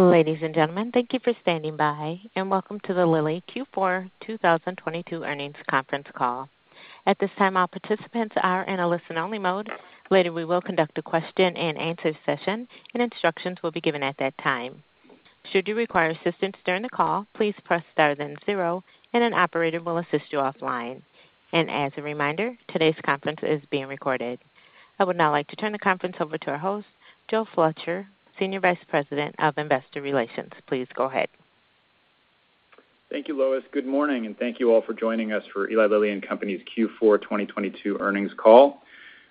Ladies and gentlemen, thank you for standing by. Welcome to the Lilly Q4 2022 earnings conference call. At this time, all participants are in a listen-only mode. Later, we will conduct a question and answer session and instructions will be given at that time. Should you require assistance during the call, please press star then zero, and an operator will assist you offline. As a reminder, today's conference is being recorded. I would now like to turn the conference over to our host, Joe Fletcher, Senior Vice President of Investor Relations. Please go ahead. Thank you, Lois. Good morning, thank you all for joining us for Eli Lilly and Company's Q4 2022 earnings call.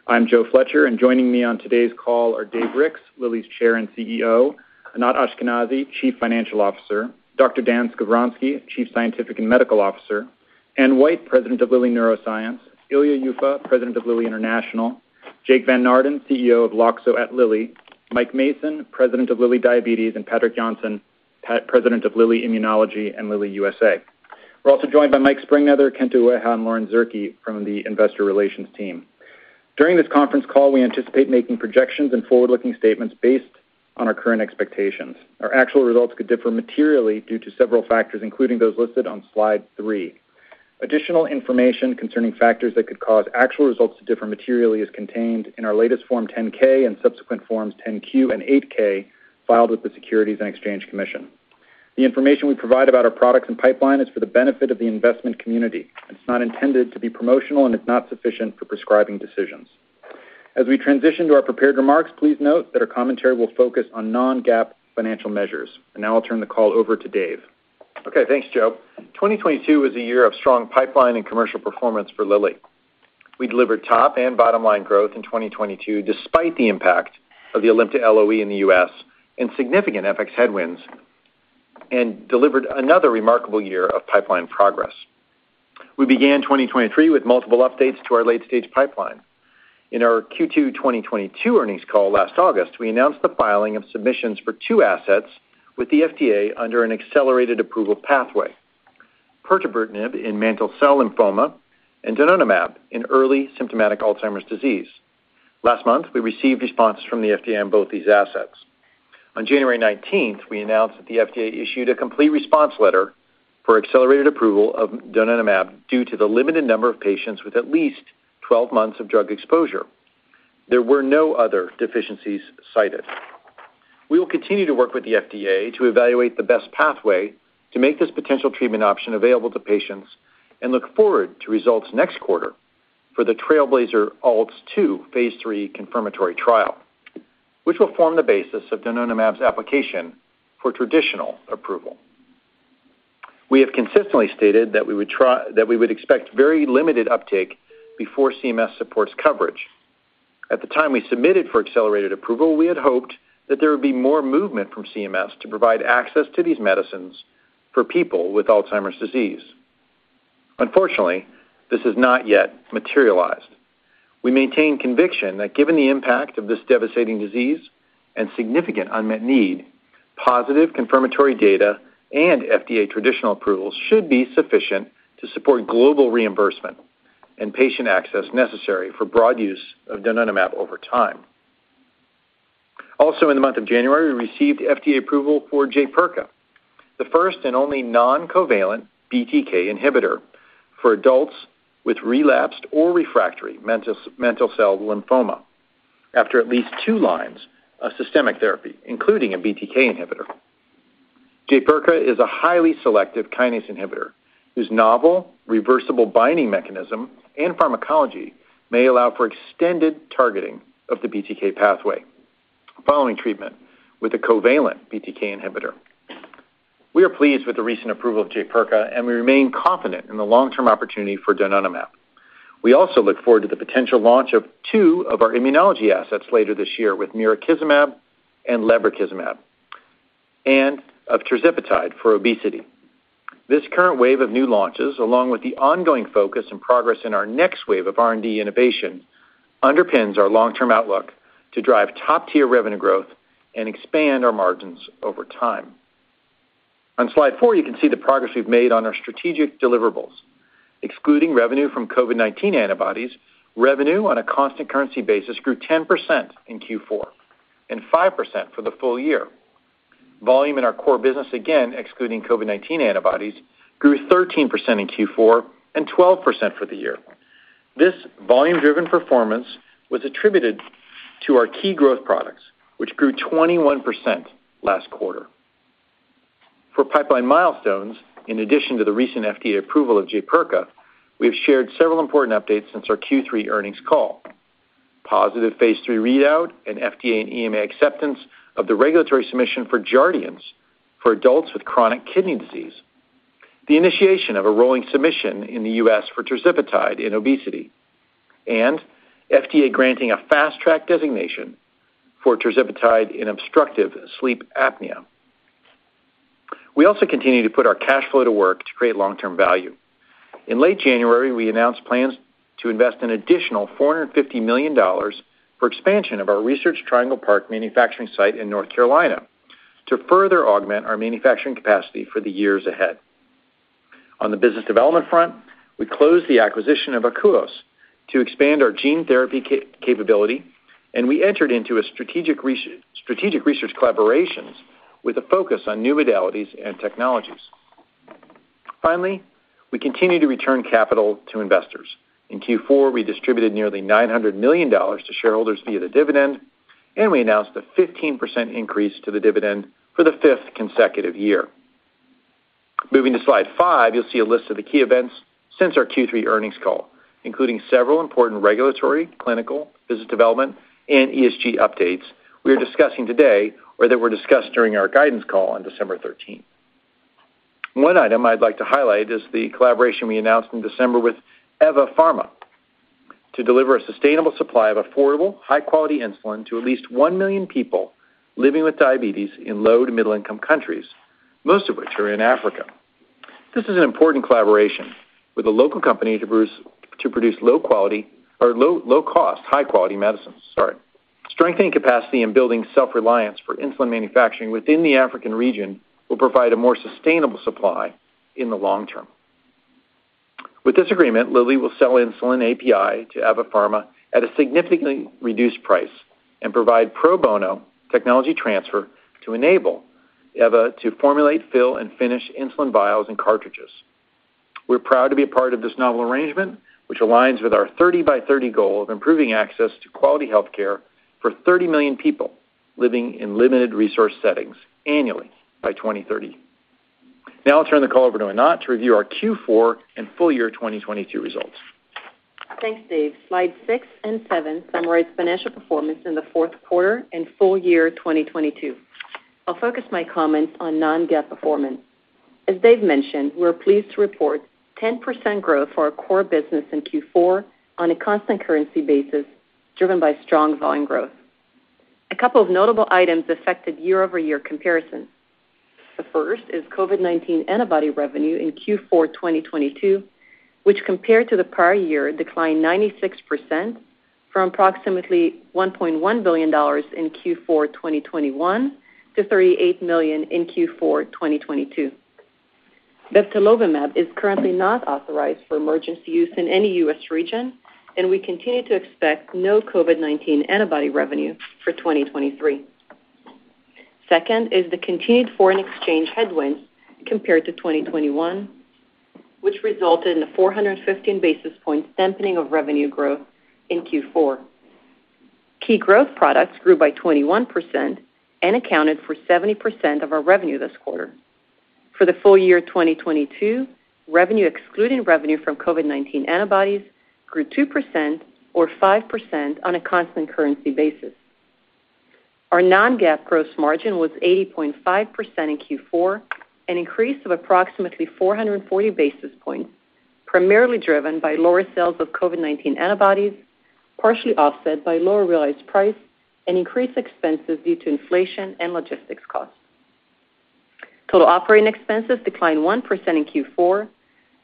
I'm Joe Fletcher, and joining me on today's call are Dave Ricks, Lilly's Chair and CEO, Anat Ashkenazi, Chief Financial Officer, Dr. Dan Skovronsky, Chief Scientific and Medical Officer, Anne White, President of Lilly Neuroscience, Ilya Yuffa, President of Lilly International, Jake Van Naarden, CEO of Loxo at Lilly, Mike Mason, President of Lilly Diabetes, and Patrik Jonsson, President of Lilly Immunology and Lilly USA. We're also joined by Mike Sprengnether, Kento Ueha, and Lauren Zierke from the investor relations team. During this conference call, we anticipate making projections and forward-looking statements based on our current expectations. Our actual results could differ materially due to several factors, including those listed on slide 3. Additional information concerning factors that could cause actual results to differ materially is contained in our latest Form 10-K and subsequent Forms 10-Q and 8-K filed with the Securities and Exchange Commission. The information we provide about our products and pipeline is for the benefit of the investment community, and it's not intended to be promotional and it's not sufficient for prescribing decisions. As we transition to our prepared remarks, please note that our commentary will focus on non-GAAP financial measures. Now I'll turn the call over to Dave. Okay, thanks, Joe. 2022 was a year of strong pipeline and commercial performance for Lilly. We delivered top and bottom line growth in 2022 despite the impact of the Alimta LOE in the U.S. and significant FX headwinds and delivered another remarkable year of pipeline progress. We began 2023 with multiple updates to our late-stage pipeline. In our Q2 2022 earnings call last August, we announced the filing of submissions for two assets with the FDA under an accelerated approval pathway, pirtobrutinib in mantle cell lymphoma and donanemab in early symptomatic Alzheimer's disease. Last month, we received responses from the FDA on both these assets. On January 19th, we announced that the FDA issued a complete response letter for accelerated approval of donanemab due to the limited number of patients with at least 12 months of drug exposure. There were no other deficiencies cited. We will continue to work with the FDA to evaluate the best pathway to make this potential treatment option available to patients and look forward to results next quarter for the TRAILBLAZER-ALZ 2 Phase 3 confirmatory trial, which will form the basis of donanemab's application for traditional approval. We have consistently stated that we would expect very limited uptake before CMS supports coverage. At the time we submitted for accelerated approval, we had hoped that there would be more movement from CMS to provide access to these medicines for people with Alzheimer's disease. Unfortunately, this has not yet materialized. We maintain conviction that given the impact of this devastating disease and significant unmet need, positive confirmatory data and FDA traditional approvals should be sufficient to support global reimbursement and patient access necessary for broad use of donanemab over time. In the month of January, we received FDA approval for Jaypirca, the first and only non-covalent BTK inhibitor for adults with relapsed or refractory mantle cell lymphoma after at least two lines of systemic therapy, including a BTK inhibitor. Jaypirca is a highly selective kinase inhibitor whose novel reversible binding mechanism and pharmacology may allow for extended targeting of the BTK pathway following treatment with a covalent BTK inhibitor. We are pleased with the recent approval of Jaypirca, and we remain confident in the long-term opportunity for donanemab. We also look forward to the potential launch of two of our immunology assets later this year with mirikizumab and lebrikizumab, and of tirzepatide for obesity. This current wave of new launches, along with the ongoing focus and progress in our next wave of R&D innovation, underpins our long-term outlook to drive top-tier revenue growth and expand our margins over time. On slide four, you can see the progress we've made on our strategic deliverables. Excluding revenue from COVID-19 antibodies, revenue on a constant currency basis grew 10% in Q4 and 5% for the full year. Volume in our core business, again excluding COVID-19 antibodies, grew 13% in Q4 and 12% for the year. This volume-driven performance was attributed to our key growth products, which grew 21% last quarter. For pipeline milestones, in addition to the recent FDA approval of Jaypirca, we've shared several important updates since our Q3 earnings call. Positive phase three readout and FDA and EMA acceptance of the regulatory submission for Jardiance for adults with chronic kidney disease, the initiation of a rolling submission in the US for tirzepatide in obesity, and FDA granting a fast-track designation for tirzepatide in obstructive sleep apnea. We also continue to put our cash flow to work to create long-term value. In late January, we announced plans to invest an additional $450 million for expansion of our Research Triangle Park manufacturing site in North Carolina to further augment our manufacturing capacity for the years ahead. On the business development front, we closed the acquisition of Akouos to expand our gene therapy capability, and we entered into strategic research collaborations with a focus on new modalities and technologies. Finally, we continue to return capital to investors. In Q4, we distributed nearly $900 million to shareholders via the dividend. We announced a 15% increase to the dividend for the 5th consecutive year. Moving to slide five, you'll see a list of the key events since our Q3 earnings call, including several important regulatory, clinical, business development, and ESG updates we are discussing today or that were discussed during our guidance call on December 13th. One item I'd like to highlight is the collaboration we announced in December with EVA Pharma to deliver a sustainable supply of affordable, high-quality insulin to at least 1 million people living with diabetes in low to middle-income countries, most of which are in Africa. This is an important collaboration with a local company to produce low cost, high-quality medicines. Sorry. Strengthening capacity and building self-reliance for insulin manufacturing within the African region will provide a more sustainable supply in the long term. With this agreement, Lilly will sell insulin API to EVA Pharma at a significantly reduced price and provide pro bono technology transfer to enable EVA to formulate, fill, and finish insulin vials and cartridges. We're proud to be a part of this novel arrangement, which aligns with our 30 by 30 goal of improving access to quality health care for 30 million people living in limited resource settings annually by 2030. Now I'll turn the call over to Anat to review our Q4 and full year 2022 results. Thanks, Dave. Slide six and seven summarize financial performance in the fourth quarter and full year 2022. I'll focus my comments on non-GAAP performance. As Dave mentioned, we are pleased to report 10% growth for our core business in Q4 on a constant currency basis, driven by strong volume growth. A couple of notable items affected year-over-year comparisons. The first is COVID-19 antibody revenue in Q4 2022, which compared to the prior year, declined 96% from approximately $1.1 billion in Q4 2021 to $38 million in Q4 2022. bebtelovimab is currently not authorized for emergency use in any U.S. region, and we continue to expect no COVID-19 antibody revenue for 2023. Second is the continued foreign exchange headwinds compared to 2021, which resulted in a 415 basis point dampening of revenue growth in Q4. Key growth products grew by 21% and accounted for 70% of our revenue this quarter. For the full year 2022, revenue excluding revenue from COVID-19 antibodies grew 2% or 5% on a constant currency basis. Our non-GAAP gross margin was 80.5% in Q4, an increase of approximately 440 basis points, primarily driven by lower sales of COVID-19 antibodies, partially offset by lower realized price and increased expenses due to inflation and logistics costs. Total operating expenses declined 1% in Q4.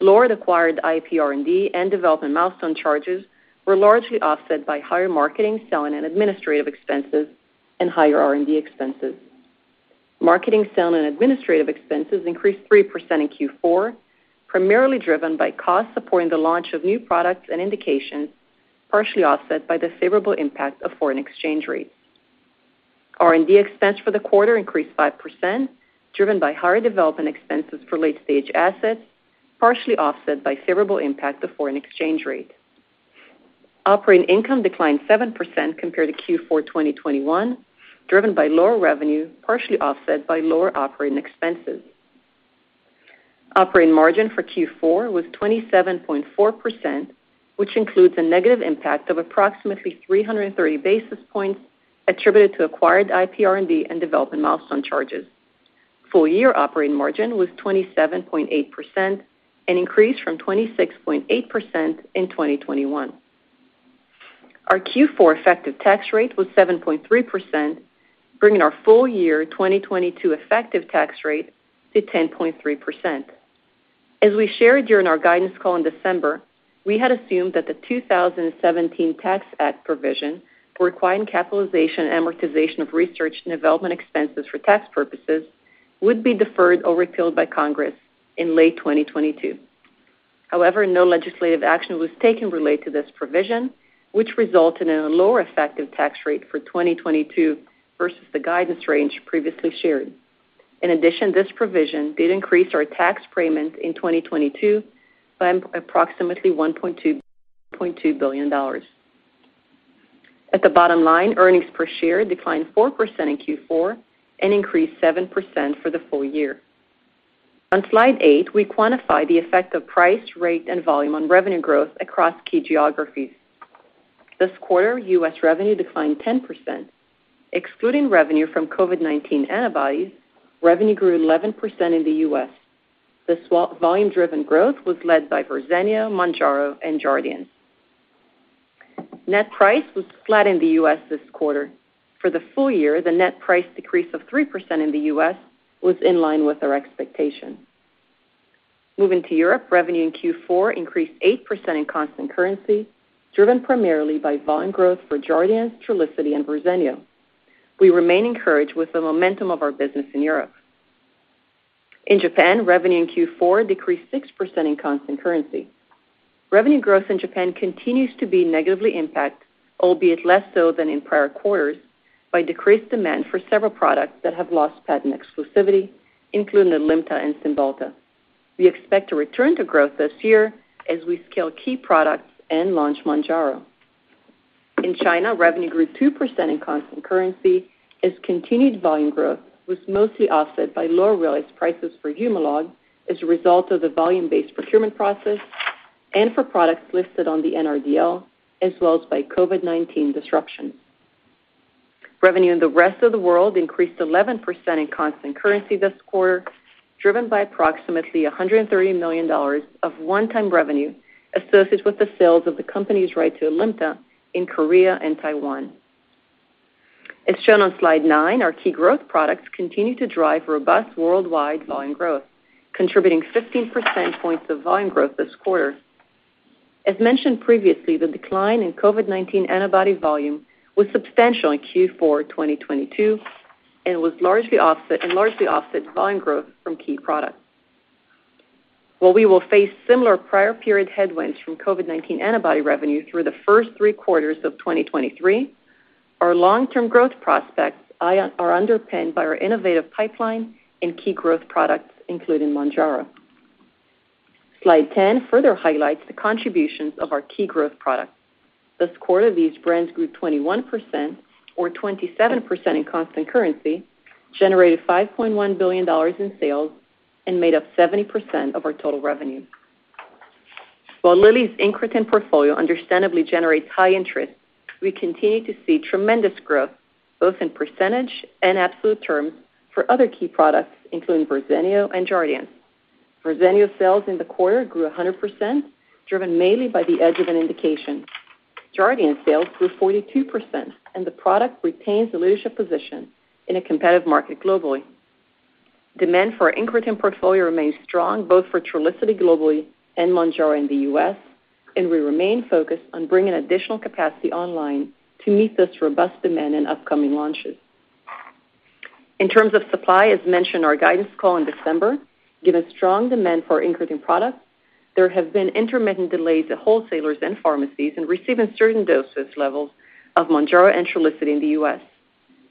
Lower acquired IPR&D and development milestone charges were largely offset by higher marketing, selling and administrative expenses and higher R&D expenses. Marketing, selling and administrative expenses increased 3% in Q4, primarily driven by costs supporting the launch of new products and indications, partially offset by the favorable impact of foreign exchange rates. R&D expense for the quarter increased 5%, driven by higher development expenses for late-stage assets, partially offset by favorable impact of foreign exchange rate. Operating income declined 7% compared to Q4 2021, driven by lower revenue, partially offset by lower operating expenses. Operating margin for Q4 was 27.4%, which includes a negative impact of approximately 330 basis points attributed to acquired IPR&D and development milestone charges. Full year operating margin was 27.8%, an increase from 26.8% in 2021. Our Q4 effective tax rate was 7.3%, bringing our full year 2022 effective tax rate to 10.3%. As we shared during our guidance call in December, we had assumed that the 2017 Tax Act provision requiring capitalization and amortization of research and development expenses for tax purposes would be deferred or repealed by Congress in late 2022. No legislative action was taken related to this provision, which resulted in a lower effective tax rate for 2022 versus the guidance range previously shared. This provision did increase our tax payment in 2022 by approximately $1.2 billion. At the bottom line, earnings per share declined 4% in Q4 and increased 7% for the full year. On slide eight, we quantify the effect of price, rate, and volume on revenue growth across key geographies. This quarter, US revenue declined 10%. Excluding revenue from COVID-19 antibodies, revenue grew 11% in the US. This volume-driven growth was led by Verzenio, Mounjaro and Jardiance. Net price was flat in the U.S. this quarter. For the full year, the net price decrease of 3% in the U.S. was in line with our expectation. Revenue in Q4 increased 8% in constant currency, driven primarily by volume growth for Jardiance, Trulicity and Verzenio. We remain encouraged with the momentum of our business in Europe. Revenue in Q4 decreased 6% in constant currency. Revenue growth in Japan continues to be negatively impact, albeit less so than in prior quarters, by decreased demand for several products that have lost patent exclusivity, including Alimta and Cymbalta. We expect to return to growth this year as we scale key products and launch Mounjaro. In China, revenue grew 2% in constant currency as continued volume growth was mostly offset by lower realized prices for Humalog as a result of the volume-based procurement process and for products listed on the NRDL, as well as by COVID-19 disruption. Revenue in the rest of the world increased 11% in constant currency this quarter, driven by approximately $130 million of one-time revenue associated with the sales of the company's right to Alimta in Korea and Taiwan. As shown on slide nine, our key growth products continue to drive robust worldwide volume growth, contributing 15 percent points of volume growth this quarter. As mentioned previously, the decline in COVID-19 antibody volume was substantial in Q4 2022, and was largely enlarge the offset volume growth from key products. While we will face similar prior period headwinds from COVID-19 antibody revenue through the first three quarters of 2023, our long-term growth prospects are underpinned by our innovative pipeline and key growth products, including Mounjaro. Slide 10 further highlights the contributions of our key growth products. This quarter, these brands grew 21% or 27% in constant currency, generated $5.1 billion in sales, and made up 70% of our total revenue. While Lilly's incretin portfolio understandably generates high interest, we continue to see tremendous growth both in percentage and absolute terms for other key products, including Verzenio and Jardiance. Verzenio sales in the quarter grew 100%, driven mainly by the adjuvant indication. Jardiance sales grew 42%, and the product retains a leadership position in a competitive market globally. Demand for our incretin portfolio remains strong, both for Trulicity globally and Mounjaro in the US. We remain focused on bringing additional capacity online to meet this robust demand in upcoming launches. In terms of supply, as mentioned, our guidance call in December, given strong demand for our incretin products, there have been intermittent delays to wholesalers and pharmacies in receiving certain doses levels of Mounjaro and Trulicity in the US.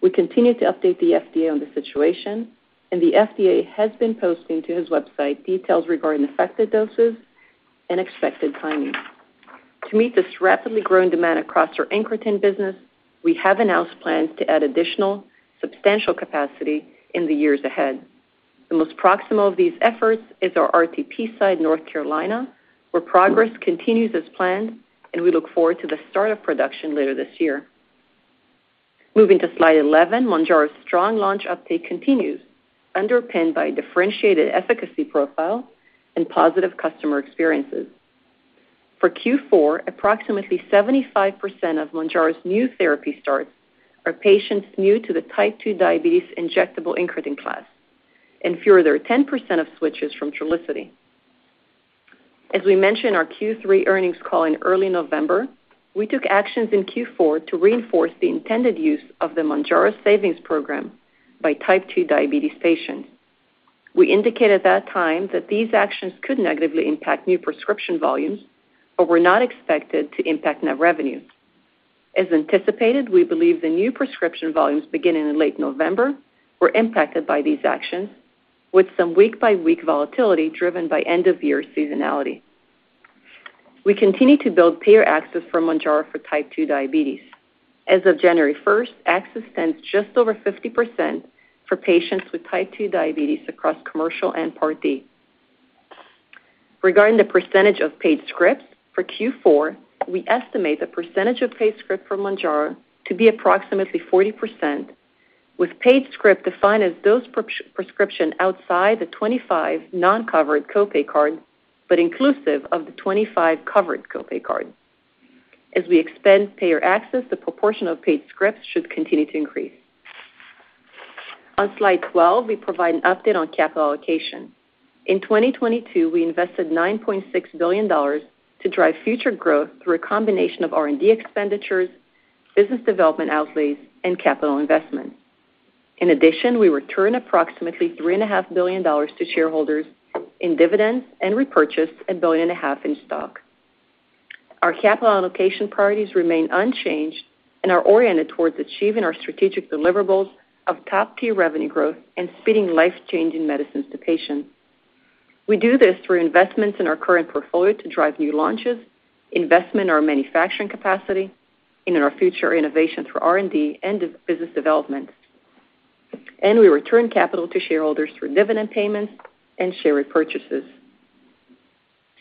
We continue to update the FDA on the situation. The FDA has been posting to its website details regarding affected doses and expected timing. To meet this rapidly growing demand across our incretin business, we have announced plans to add additional substantial capacity in the years ahead. The most proximal of these efforts is our RTP site in North Carolina, where progress continues as planned. We look forward to the start of production later this year. Moving to slide 11, Mounjaro's strong launch uptake continues, underpinned by differentiated efficacy profile and positive customer experiences. For Q4, approximately 75% of Mounjaro's new therapy starts are patients new to the type 2 diabetes injectable incretin class, and further, 10% of switches from Trulicity. As we mentioned our Q3 earnings call in early November, we took actions in Q4 to reinforce the intended use of the Mounjaro Savings Program by type 2 diabetes patients. We indicated at that time that these actions could negatively impact new prescription volumes but were not expected to impact net revenue. As anticipated, we believe the new prescription volumes beginning in late November were impacted by these actions, with some week-by-week volatility driven by end-of-year seasonality. We continue to build payer access for Mounjaro for type 2 diabetes. As of January 1st, access stands just over 50% for patients with type two diabetes across commercial and Part D. Regarding the percentage of paid scripts, for Q4, we estimate the percentage of paid script for Mounjaro to be approximately 40%, with paid script defined as those pre-prescription outside the 25 non-covered co-pay card, but inclusive of the 25 covered co-pay card. As we expand payer access, the proportion of paid scripts should continue to increase. On slide 12, we provide an update on capital allocation. In 2022, we invested $9.6 billion to drive future growth through a combination of R&D expenditures, business development outlays, and capital investments. In addition, we returned approximately three and a half billion dollars to shareholders in dividends and repurchased a billion and a half in stock. Our capital allocation priorities remain unchanged and are oriented towards achieving our strategic deliverables of top-tier revenue growth and speeding life-changing medicines to patients. We do this through investments in our current portfolio to drive new launches, investment in our manufacturing capacity, and in our future innovation through R&D and business development. We return capital to shareholders through dividend payments and share repurchases.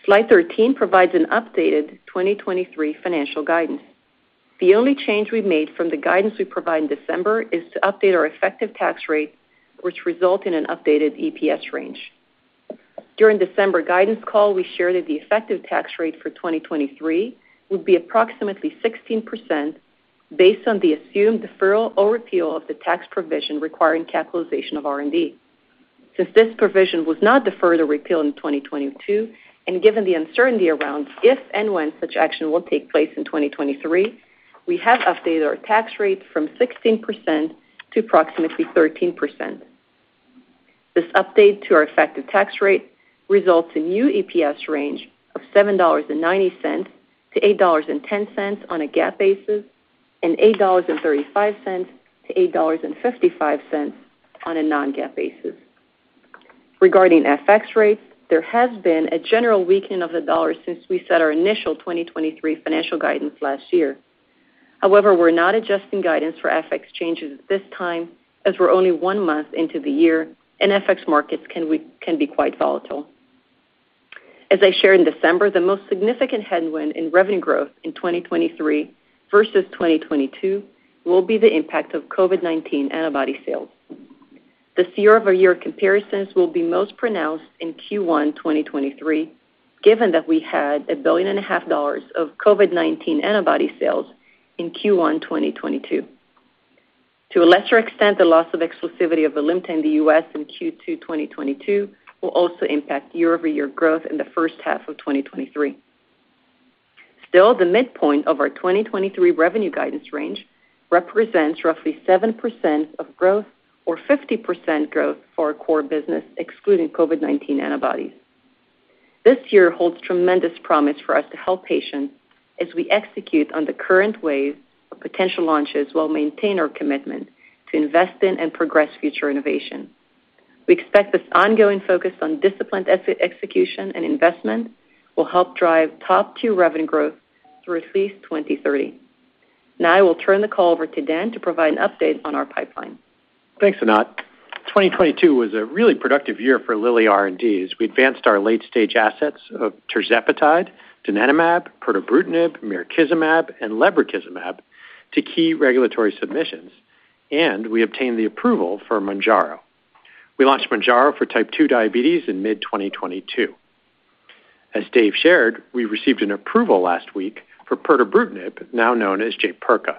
Slide 13 provides an updated 2023 financial guidance. The only change we've made from the guidance we provided in December is to update our effective tax rate, which result in an updated EPS range. During December guidance call, we shared that the effective tax rate for 2023 would be approximately 16% based on the assumed deferral or repeal of the tax provision requiring capitalization of R&D. This provision was not deferred or repealed in 2022, and given the uncertainty around if and when such action will take place in 2023, we have updated our tax rate from 16% to approximately 13%. This update to our effective tax rate results in new EPS range of $7.90-$8.10 on a GAAP basis and $8.35-$8.55 on a non-GAAP basis. Regarding FX rates, there has been a general weakening of the dollar since we set our initial 2023 financial guidance last year. However, we're not adjusting guidance for FX changes at this time, as we're only one month into the year and FX markets can be quite volatile. As I shared in December, the most significant headwind in revenue growth in 2023 versus 2022 will be the impact of COVID-19 antibody sales. This year-over-year comparisons will be most pronounced in Q1 2023, given that we had a billion and a half dollars of COVID-19 antibody sales in Q1 2022. To a lesser extent, the loss of exclusivity of Alimta in the U.S. in Q2 2022 will also impact year-over-year growth in the first half of 2023. Still, the midpoint of our 2023 revenue guidance range represents roughly 7% of growth or 50% growth for our core business, excluding COVID-19 antibodies. This year holds tremendous promise for us to help patients as we execute on the current wave of potential launches, while maintain our commitment to invest in and progress future innovation. We expect this ongoing focus on disciplined execution and investment will help drive top-tier revenue growth through at least 2030. Now I will turn the call over to Dan to provide an update on our pipeline. Thanks, Anat. 2022 was a really productive year for Lilly R&D. We advanced our late-stage assets of tirzepatide, donanemab, pirtobrutinib, mirikizumab, and lebrikizumab to key regulatory submissions, and we obtained the approval for Mounjaro. We launched Mounjaro for type 2 diabetes in mid-2022. As Dave shared, we received an approval last week for pirtobrutinib, now known as Jaypirca.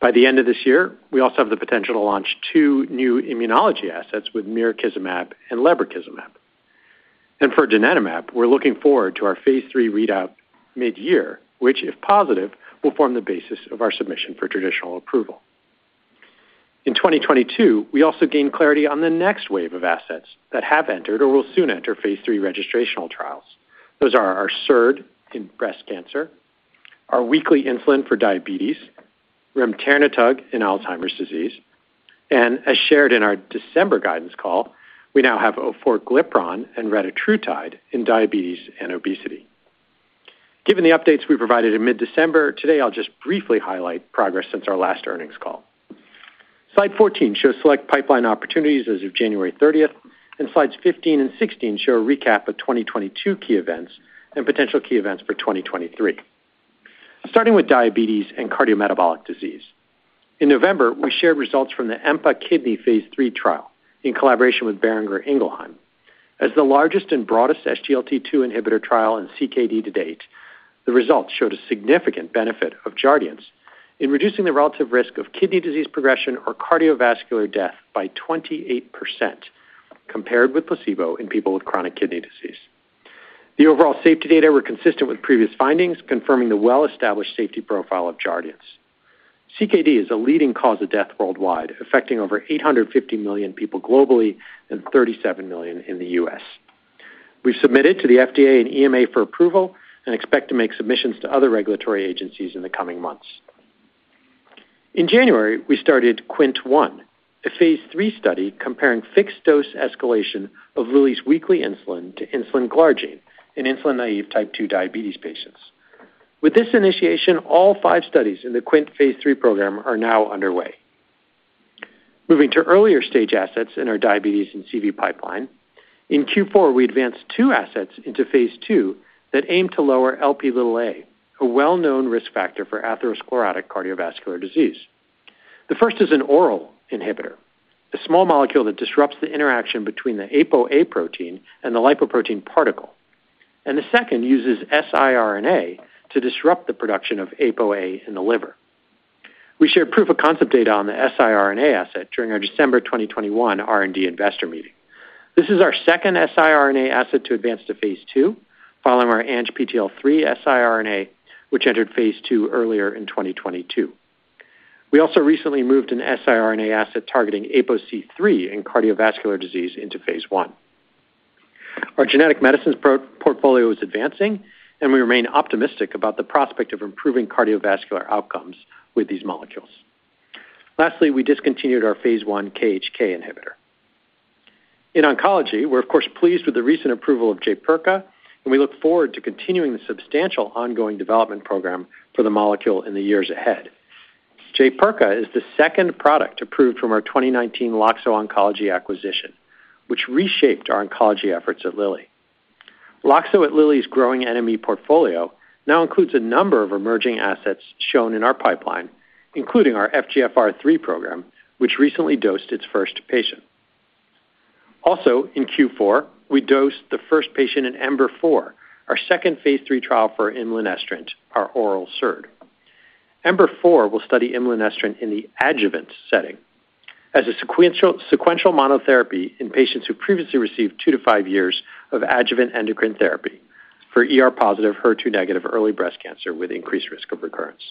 By the end of this year, we also have the potential to launch two new immunology assets with mirikizumab and lebrikizumab. For donanemab, we're looking forward to our phase 3 readout mid-year, which, if positive, will form the basis of our submission for traditional approval. In 2022, we also gained clarity on the next wave of assets that have entered or will soon enter phase 3 registrational trials. Those are our SERD in breast cancer, our weekly insulin for diabetes, remternetug in Alzheimer's disease. As shared in our December guidance call, we now have orforglipron and retatrutide in diabetes and obesity. Given the updates we provided in mid-December, today I'll just briefly highlight progress since our last earnings call. Slide 14 shows select pipeline opportunities as of January 30th. Slides 15 and 16 show a recap of 2022 key events and potential key events for 2023. Starting with diabetes and cardiometabolic disease. In November, we shared results from the EMPA-KIDNEY phase 3 trial in collaboration with Boehringer Ingelheim. As the largest and broadest SGLT2 inhibitor trial in CKD to date, the results showed a significant benefit of Jardiance in reducing the relative risk of kidney disease progression or cardiovascular death by 28% compared with placebo in people with chronic kidney disease. The overall safety data were consistent with previous findings, confirming the well-established safety profile of Jardiance. CKD is a leading cause of death worldwide, affecting over 850 million people globally and 37 million in the U.S. We've submitted to the FDA and EMA for approval and expect to make submissions to other regulatory agencies in the coming months. In January, we started QWINT-1, a phase three study comparing fixed-dose escalation of Lilly's weekly insulin to insulin glargine in insulin naive Type 2 diabetes patients. With this initiation, all five studies in the QWINT phase three program are now underway. Moving to earlier stage assets in our diabetes and CV pipeline. In Q4, we advanced two assets into phase two that aim to lower Lp(a), a well-known risk factor for atherosclerotic cardiovascular disease. The first is an oral inhibitor, a small molecule that disrupts the interaction between the Apo protein and the lipoprotein particle, and the second uses siRNA to disrupt the production of Apo in the liver. We shared proof-of-concept data on the siRNA asset during our December 2021 R&D investor meeting. This is our second siRNA asset to advance to Phase two, following our ANGPTL3 siRNA, which entered Phase two earlier in 2022. We also recently moved an siRNA asset targeting APOC3 in cardiovascular disease into Phase one. Our genetic medicines pro-portfolio is advancing, and we remain optimistic about the prospect of improving cardiovascular outcomes with these molecules. Lastly, we discontinued our Phase one KHK inhibitor. In oncology, we're of course pleased with the recent approval of Jaypirca, and we look forward to continuing the substantial ongoing development program for the molecule in the years ahead. Jaypirca is the second product approved from our 2019 Loxo Oncology acquisition, which reshaped our oncology efforts at Lilly. Loxo at Lilly's growing NME portfolio now includes a number of emerging assets shown in our pipeline, including our FGFR3 program, which recently dosed its first patient. Also in Q4, we dosed the first patient in EMBER-4, our second phase 3 trial for imlunestrant, our oral SERD. EMBER-four will study imlunestrant in the adjuvant setting as a sequential monotherapy in patients who previously received 2 to 5 years of adjuvant endocrine therapy for ER-positive, HER2-negative early breast cancer with increased risk of recurrence.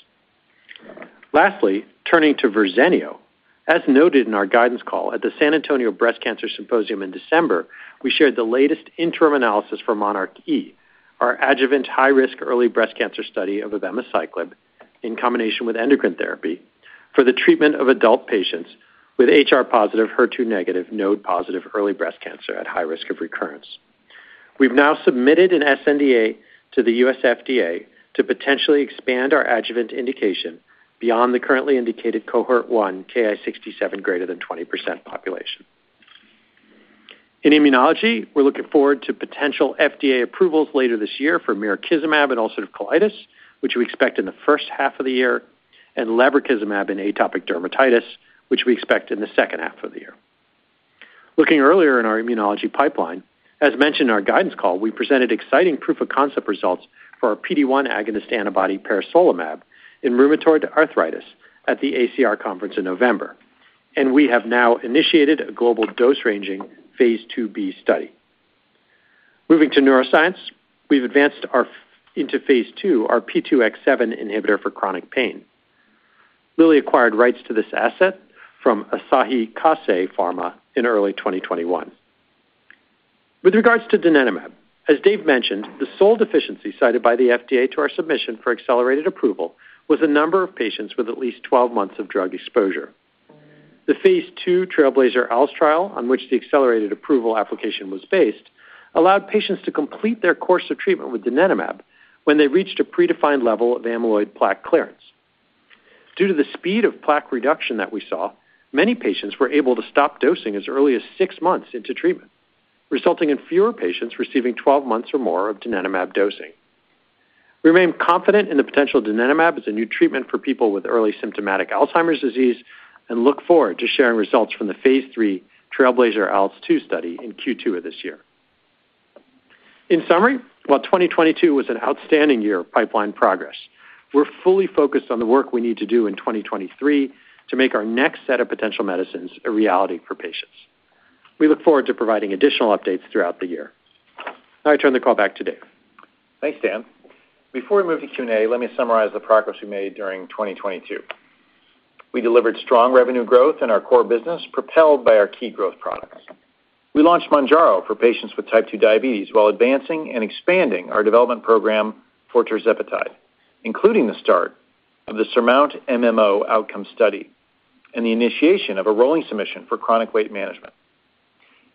Lastly, turning to Verzenio. As noted in our guidance call at the San Antonio Breast Cancer Symposium in December, we shared the latest interim analysis for monarchE, our adjuvant high-risk early breast cancer study of abemaciclib in combination with endocrine therapy for the treatment of adult patients with HR-positive, HER2-negative, node-positive early breast cancer at high risk of recurrence. We've now submitted an sNDA to the FDA to potentially expand our adjuvant indication beyond the currently indicated cohort 1 Ki-67 greater than 20% population. In immunology, we're looking forward to potential FDA approvals later this year for mirikizumab in ulcerative colitis, which we expect in the first half of the year, and lebrikizumab in atopic dermatitis, which we expect in the second half of the year. Looking earlier in our immunology pipeline, as mentioned in our guidance call, we presented exciting proof of concept results for our PD-1 agonist antibody peresolimab in rheumatoid arthritis at the ACR conference in November. We have now initiated a global dose-ranging phase 2B study. Moving to neuroscience, we've advanced our into phase two, our P2X7 inhibitor for chronic pain. Lilly acquired rights to this asset from Asahi Kasei Pharma in early 2021. With regards to donanemab, as Dave mentioned, the sole deficiency cited by the FDA to our submission for accelerated approval was the number of patients with at least 12 months of drug exposure. The phase two TRAILBLAZER-ALZ trial, on which the accelerated approval application was based, allowed patients to complete their course of treatment with donanemab when they reached a predefined level of amyloid plaque clearance. Due to the speed of plaque reduction that we saw, many patients were able to stop dosing as early as 6 months into treatment, resulting in fewer patients receiving 12 months or more of donanemab dosing. We remain confident in the potential of donanemab as a new treatment for people with early symptomatic Alzheimer's disease and look forward to sharing results from the phase 3 TRAILBLAZER-ALZ 2 study in Q2 of this year. In summary, while 2022 was an outstanding year of pipeline progress, we're fully focused on the work we need to do in 2023 to make our next set of potential medicines a reality for patients. We look forward to providing additional updates throughout the year. Now I turn the call back to Dave. Thanks, Dan. Before we move to Q&A, let me summarize the progress we made during 2022. We delivered strong revenue growth in our core business, propelled by our key growth products. We launched Mounjaro for patients with type 2 diabetes while advancing and expanding our development program for tirzepatide, including the start of the SURMOUNT-MMO outcome study and the initiation of a rolling submission for chronic weight management.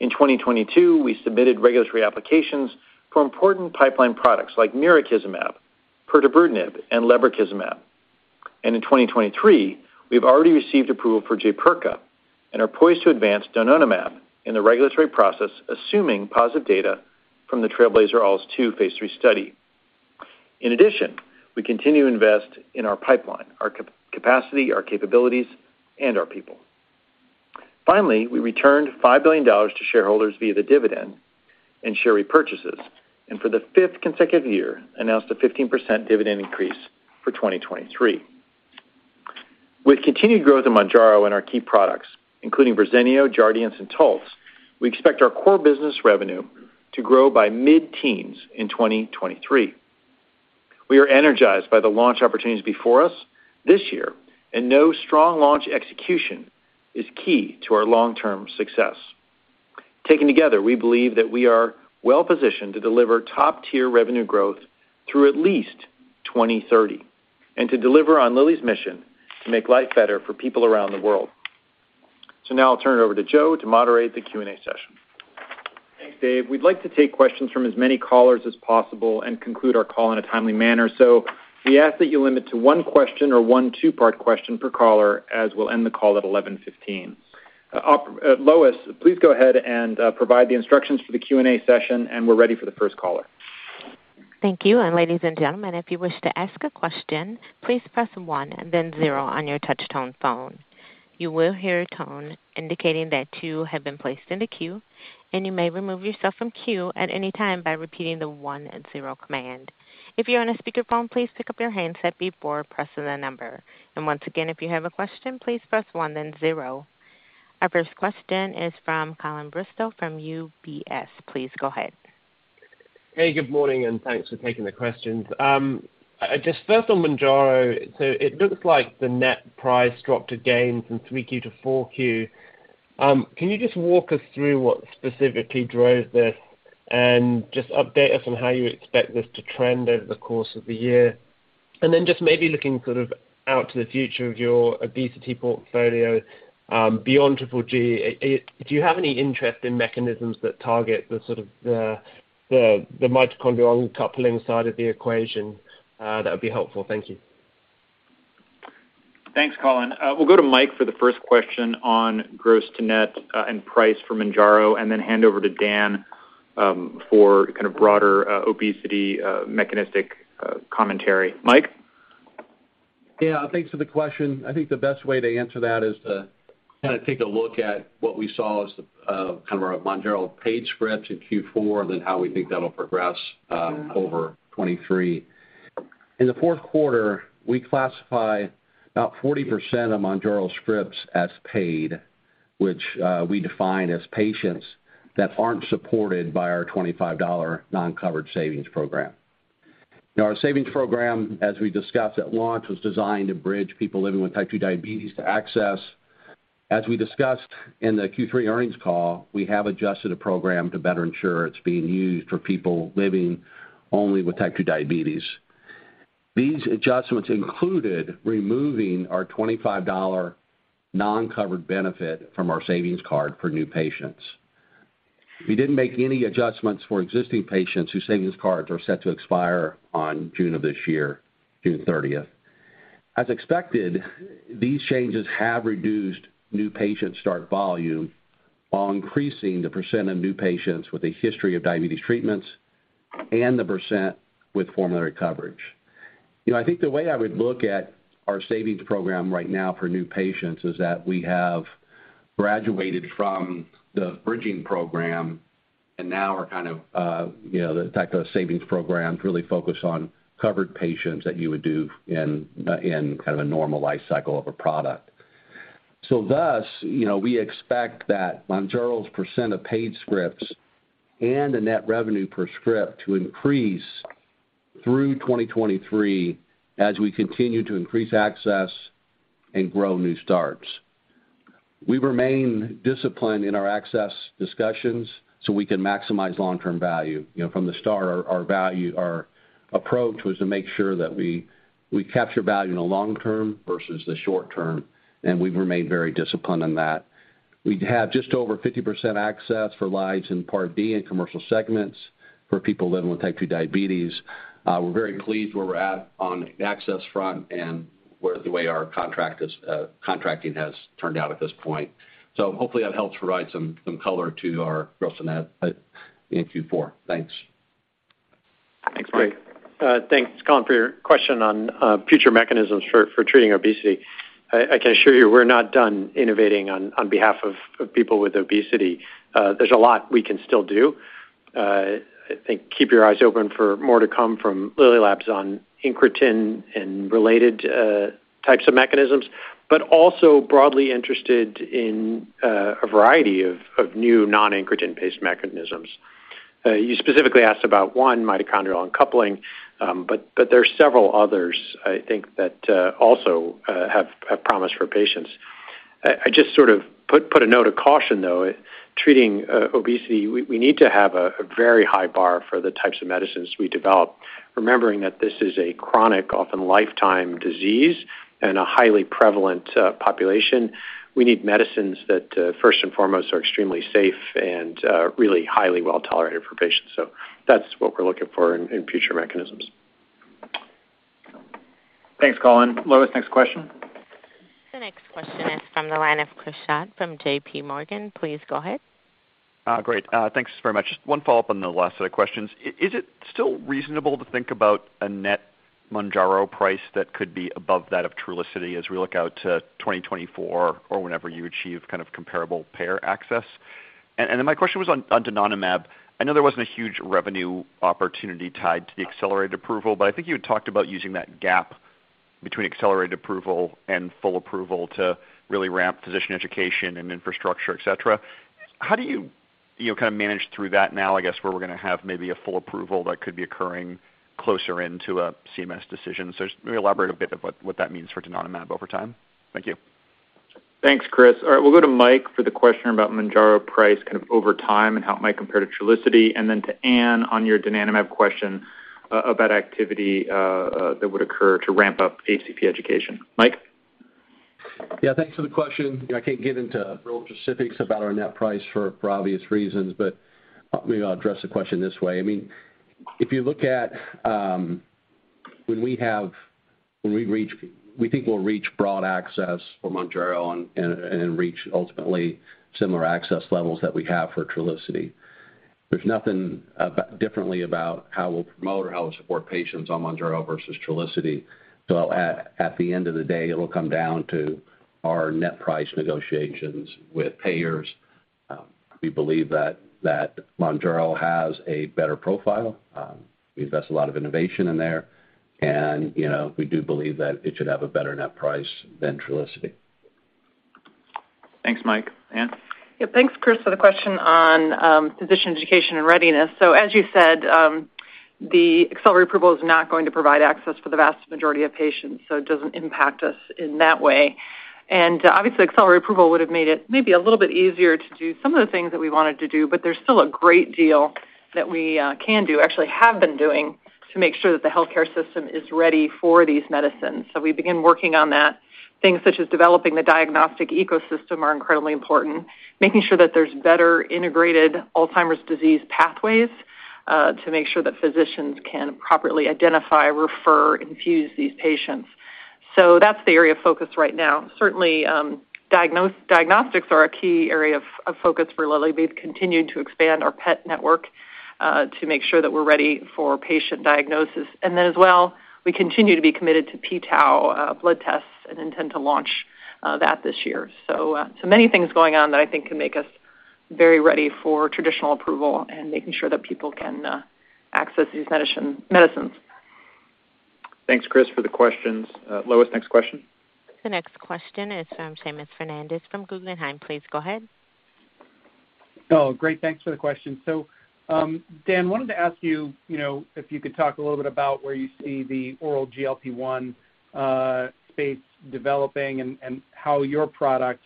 In 2022, we submitted regulatory applications for important pipeline products like mirikizumab, pirtobrutinib, and lebrikizumab. In 2023, we've already received approval for Jaypirca and are poised to advance donanemab in the regulatory process, assuming positive data from the TRAILBLAZER-ALZ 2 phase 3 study. We continue to invest in our pipeline, our capacity, our capabilities, and our people. Finally, we returned $5 billion to shareholders via the dividend and share repurchases, and for the fifth consecutive year, announced a 15% dividend increase for 2023. With continued growth in Mounjaro and our key products, including Verzenio, Jardiance, and Taltz, we expect our core business revenue to grow by mid-teens in 2023. We are energized by the launch opportunities before us this year, and know strong launch execution is key to our long-term success. Taken together, we believe that we are well positioned to deliver top-tier revenue growth through at least 2030, and to deliver on Lilly's mission to make life better for people around the world. Now I'll turn it over to Joe to moderate the Q&A session. Thanks, Dave. We'd like to take questions from as many callers as possible and conclude our call in a timely manner. We ask that you limit to one question or one two-part question per caller, as we'll end the call at 11:15 A.M. Lois, please go ahead and provide the instructions for the Q&A session, and we're ready for the first caller. Thank you. Ladies and gentlemen, if you wish to ask a question, please press 1 and then 0 on your touch-tone phone. You will hear a tone indicating that you have been placed in the queue, and you may remove yourself from queue at any time by repeating the one and zero command. If you're on a speakerphone, please pick up your handset before pressing the number. Once again, if you have a question, please press one then zero. Our first question is from Colin Bristow from UBS. Please go ahead. Hey, good morning, and thanks for taking the questions. Just first on Mounjaro, it looks like the net price dropped again from 3Q to 4Q. Can you just walk us through what specifically drove this and just update us on how you expect this to trend over the course of the year? Just maybe looking sort of out to the future of your obesity portfolio, beyond Triple G, do you have any interest in mechanisms that target the sort of the mitochondrial coupling side of the equation? That would be helpful. Thank you. Thanks, Colin. We'll go to Mike for the first question on gross to net, and price for Mounjaro, and then hand over to Dan, for kind of broader, obesity, mechanistic, commentary. Mike? Thanks for the question. I think the best way to answer that is. Kind of take a look at what we saw as, kind of our Mounjaro paid scripts in Q4, then how we think that'll progress. Sure... over 2023. In the fourth quarter, we classify about 40% of Mounjaro scripts as paid, which we define as patients that aren't supported by our $25 non-covered savings program. Now our savings program, as we discussed at launch, was designed to bridge people living with type 2 diabetes to access. As we discussed in the Q3 earnings call, we have adjusted the program to better ensure it's being used for people living only with type 2 diabetes. These adjustments included removing our $25 non-covered benefit from our savings card for new patients. We didn't make any adjustments for existing patients whose savings cards are set to expire on June of this year, June 30th. As expected, these changes have reduced new patient start volume while increasing the % of new patients with a history of diabetes treatments and the % with formulary coverage. You know, I think the way I would look at our savings program right now for new patients is that we have graduated from the bridging program, and now we're kind of, you know, the type of savings programs really focus on covered patients that you would do in kind of a normal life cycle of a product. Thus, you know, we expect that Mounjaro's % of paid scripts and the net revenue per script to increase through 2023 as we continue to increase access and grow new starts. We remain disciplined in our access discussions so we can maximize long-term value. You know, from the start, our value, our approach was to make sure that we capture value in the long term versus the short term, and we've remained very disciplined in that. We have just over 50% access for lives in Part D in commercial segments for people living with type 2 diabetes. We're very pleased where we're at on the access front and where the way our contract is, contracting has turned out at this point. Hopefully that helps provide some color to our growth in that in Q4. Thanks. Thanks, Mike. Thanks, Colin, for your question on future mechanisms for treating obesity. I can assure you we're not done innovating on behalf of people with obesity. There's a lot we can still do. I think keep your eyes open for more to come from Lilly Labs on incretin and related types of mechanisms, but also broadly interested in a variety of new non-incretin-based mechanisms. You specifically asked about one mitochondrial uncoupling, but there are several others, I think, that also have promise for patients. I just sort of put a note of caution, though. Treating obesity, we need to have a very high bar for the types of medicines we develop, remembering that this is a chronic, often lifetime disease in a highly prevalent population. We need medicines that, first and foremost, are extremely safe and, really highly well-tolerated for patients. That's what we're looking for in future mechanisms. Thanks, Colin. Lois, next question. The next question is from the line of Chris Schott from JP Morgan. Please go ahead. Great. Thanks very much. Just one follow-up on the last set of questions. Is it still reasonable to think about a net Mounjaro price that could be above that of Trulicity as we look out to 2024 or whenever you achieve kind of comparable payer access? Then my question was on donanemab. I know there wasn't a huge revenue opportunity tied to the accelerated approval, but I think you had talked about using that gap between accelerated approval and full approval to really ramp physician education and infrastructure, et cetera. How do you know, kind of manage through that now, I guess, where we're gonna have maybe a full approval that could be occurring closer into a CMS decision? Just maybe elaborate a bit of what that means for donanemab over time. Thank you. Thanks, Chris. All right, we'll go to Mike for the question about Mounjaro price kind of over time and how it might compare to Trulicity, and then to Anne on your donanemab question about activity that would occur to ramp up ACP education. Mike? Yeah, thanks for the question. You know, I can't get into real specifics about our net price for obvious reasons, but maybe I'll address the question this way. I mean, if you look at, when we reach We think we'll reach broad access for Mounjaro and reach ultimately similar access levels that we have for Trulicity. There's nothing differently about how we'll promote or how we'll support patients on Mounjaro versus Trulicity. At the end of the day, it'll come down to our net price negotiations with payers. We believe that Mounjaro has a better profile. We invest a lot of innovation in there and, you know, we do believe that it should have a better net price than Trulicity. Thanks, Mike. Anat? Thanks, Chris, for the question on physician education and readiness. As you said, the accelerated approval is not going to provide access for the vast majority of patients, so it doesn't impact us in that way. Obviously, accelerated approval would have made it maybe a little bit easier to do some of the things that we wanted to do, but there's still a great deal that we can do, actually have been doing to make sure that the healthcare system is ready for these medicines. We begin working on that. Things such as developing the diagnostic ecosystem are incredibly important, making sure that there's better integrated Alzheimer's disease pathways to make sure that physicians can properly identify, refer, infuse these patients. That's the area of focus right now. Certainly, diagnostics are a key area of focus for Lilly. We've continued to expand our pet network to make sure that we're ready for patient diagnosis. As well, we continue to be committed to p-tau blood tests and intend to launch that this year. So many things going on that I think can make us very ready for traditional approval and making sure that people can access these medicines. Thanks, Chris, for the questions. Lois, next question. The next question is from Seamus Fernandez from Guggenheim. Please go ahead. Oh, great. Thanks for the question. Dan, wanted to ask you know, if you could talk a little bit about where you see the oral GLP-1 space developing and how your product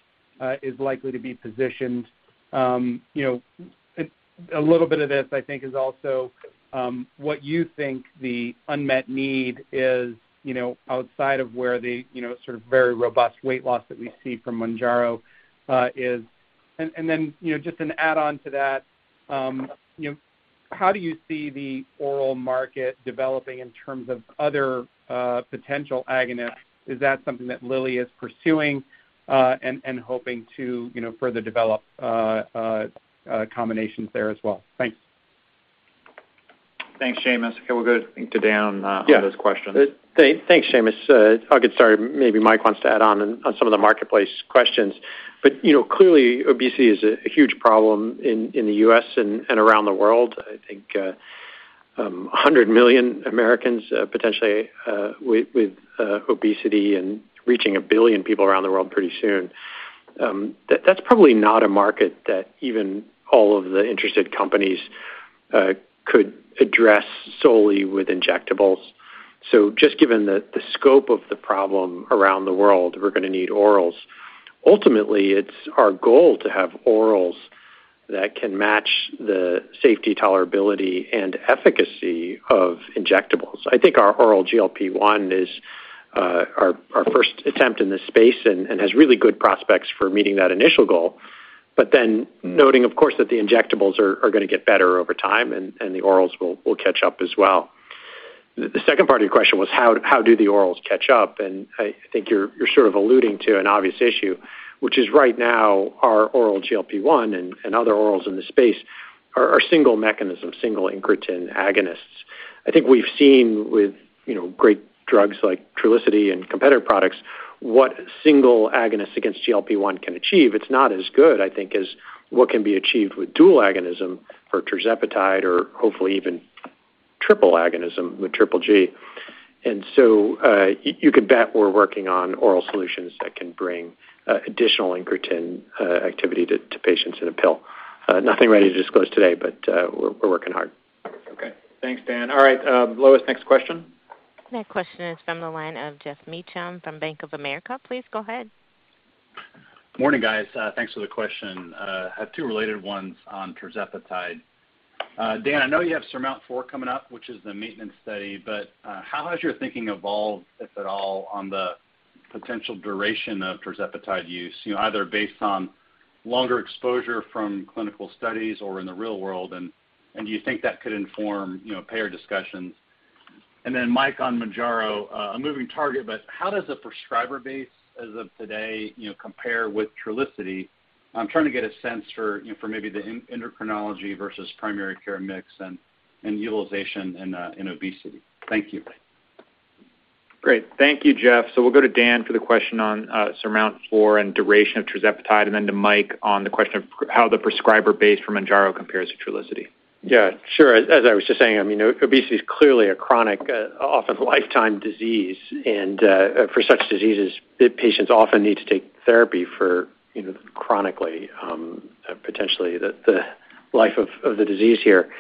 is likely to be positioned? You know, a little bit of this, I think, is also what you think the unmet need is, you know, outside of where the, you know, sort of very robust weight loss that we see from Mounjaro is. Then, you know, just an add-on to that, you know, how do you see the oral market developing in terms of other potential agonists? Is that something that Lilly is pursuing and hoping to, you know, further develop combinations there as well? Thanks. Thanks, Seamus. Okay, we'll go to Dan on those questions. Yeah. Thanks, Seamus. I'll get started. Maybe Mike wants to add on some of the marketplace questions. You know, clearly, obesity is a huge problem in the U.S. and around the world. I think 100 million Americans, potentially, with obesity and reaching 1 billion people around the world pretty soon. That's probably not a market that even all of the interested companies could address solely with injectables. Just given the scope of the problem around the world, we're gonna need orals. Ultimately, it's our goal to have orals that can match the safety tolerability and efficacy of injectables. I think our oral GLP-1 is our first attempt in this space and has really good prospects for meeting that initial goal. Noting, of course, that the injectables are gonna get better over time and the orals will catch up as well. The second part of your question was how do the orals catch up? I think you're sort of alluding to an obvious issue, which is right now our oral GLP-1 and other orals in the space are single mechanism, single incretin agonists. I think we've seen with, you know, great drugs like Trulicity and competitor products, what single agonist against GLP-1 can achieve. It's not as good, I think, as what can be achieved with dual agonism for tirzepatide or hopefully even triple agonism with Triple G. You could bet we're working on oral solutions that can bring additional incretin activity to patients in a pill. Nothing ready to disclose today, but we're working hard. Okay. Thanks, Dan. All right, Lois, next question. Next question is from the line of Geoff Meacham from Bank of America. Please go ahead. Morning, guys. Thanks for the question. I have two related ones on tirzepatide. Dan, I know you have SURMOUNT-4 coming up, which is the maintenance study, but how has your thinking evolved, if at all, on the potential duration of tirzepatide use, you know, either based on longer exposure from clinical studies or in the real world, and do you think that could inform, you know, payer discussions? Mike, on Mounjaro, a moving target, but how does the prescriber base as of today, you know, compare with Trulicity? I'm trying to get a sense for, you know, for maybe the endocrinology versus primary care mix and utilization in obesity. Thank you. Great. Thank you, Geoff. We'll go to Dan for the question on SURMOUNT-4 and duration of tirzepatide, and then to Mike on the question of how the prescriber base for Mounjaro compares to Trulicity. Yeah, sure. As I was just saying, I mean, obesity is clearly a chronic, often lifetime disease. For such diseases, the patients often need to take therapy for, you know, chronically, potentially the life of the disease here.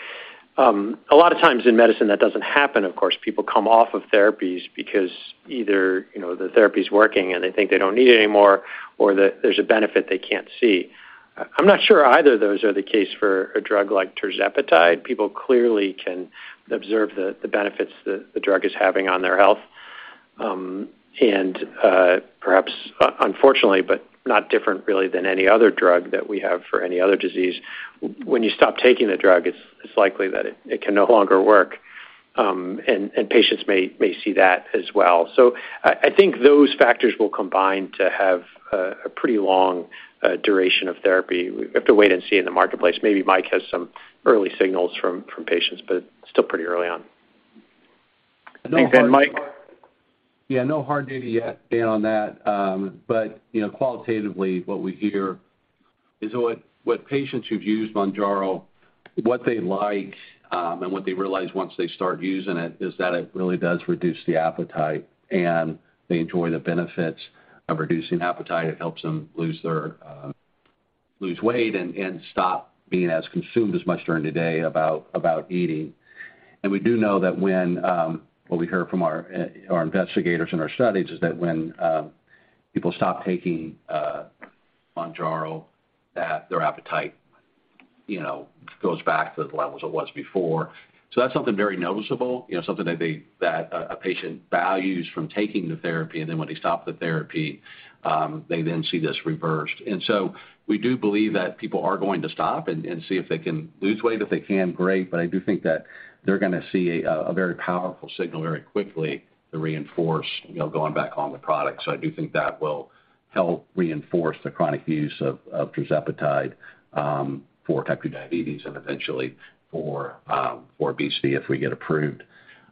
A lot of times in medicine, that doesn't happen, of course. People come off of therapies because either, you know, the therapy is working and they think they don't need it anymore, or there's a benefit they can't see. I'm not sure either of those are the case for a drug like tirzepatide. People clearly can observe the benefits the drug is having on their health. Perhaps, unfortunately, but not different really than any other drug that we have for any other disease. When you stop taking the drug, it's likely that it can no longer work, and patients may see that as well. I think those factors will combine to have a pretty long duration of therapy. We have to wait and see in the marketplace. Maybe Mike has some early signals from patients, but still pretty early on. Thanks, Dan. Mike? Yeah, no hard data yet, Dan, on that. You know, qualitatively, what we hear is what patients who've used Mounjaro, what they like, and what they realize once they start using it is that it really does reduce the appetite, and they enjoy the benefits of reducing appetite. It helps them lose their weight and stop being as consumed as much during the day about eating. We do know that when what we heard from our investigators in our studies is that when people stop taking Mounjaro, that their appetite You know, goes back to the levels it was before. That's something very noticeable, you know, something that a patient values from taking the therapy, and then when they stop the therapy, they then see this reversed. We do believe that people are going to stop and see if they can lose weight. If they can, great. I do think that they're gonna see a very powerful signal very quickly to reinforce, you know, going back on the product. I do think that will help reinforce the chronic use of tirzepatide, for type 2 diabetes and eventually for obesity if we get approved.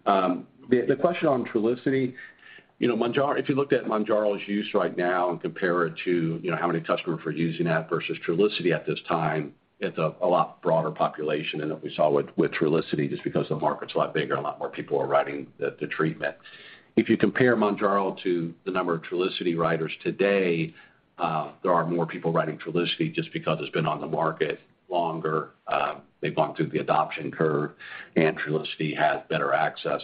The question on Trulicity, you know, Mounjaro. If you looked at Mounjaro's use right now and compare it to, you know, how many customers were using that versus Trulicity at this time, it's a lot broader population than what we saw with Trulicity, just because the market's a lot bigger and a lot more people are writing the treatment. If you compare Mounjaro to the number of Trulicity writers today, there are more people writing Trulicity just because it's been on the market longer. They've gone through the adoption curve, and Trulicity has better access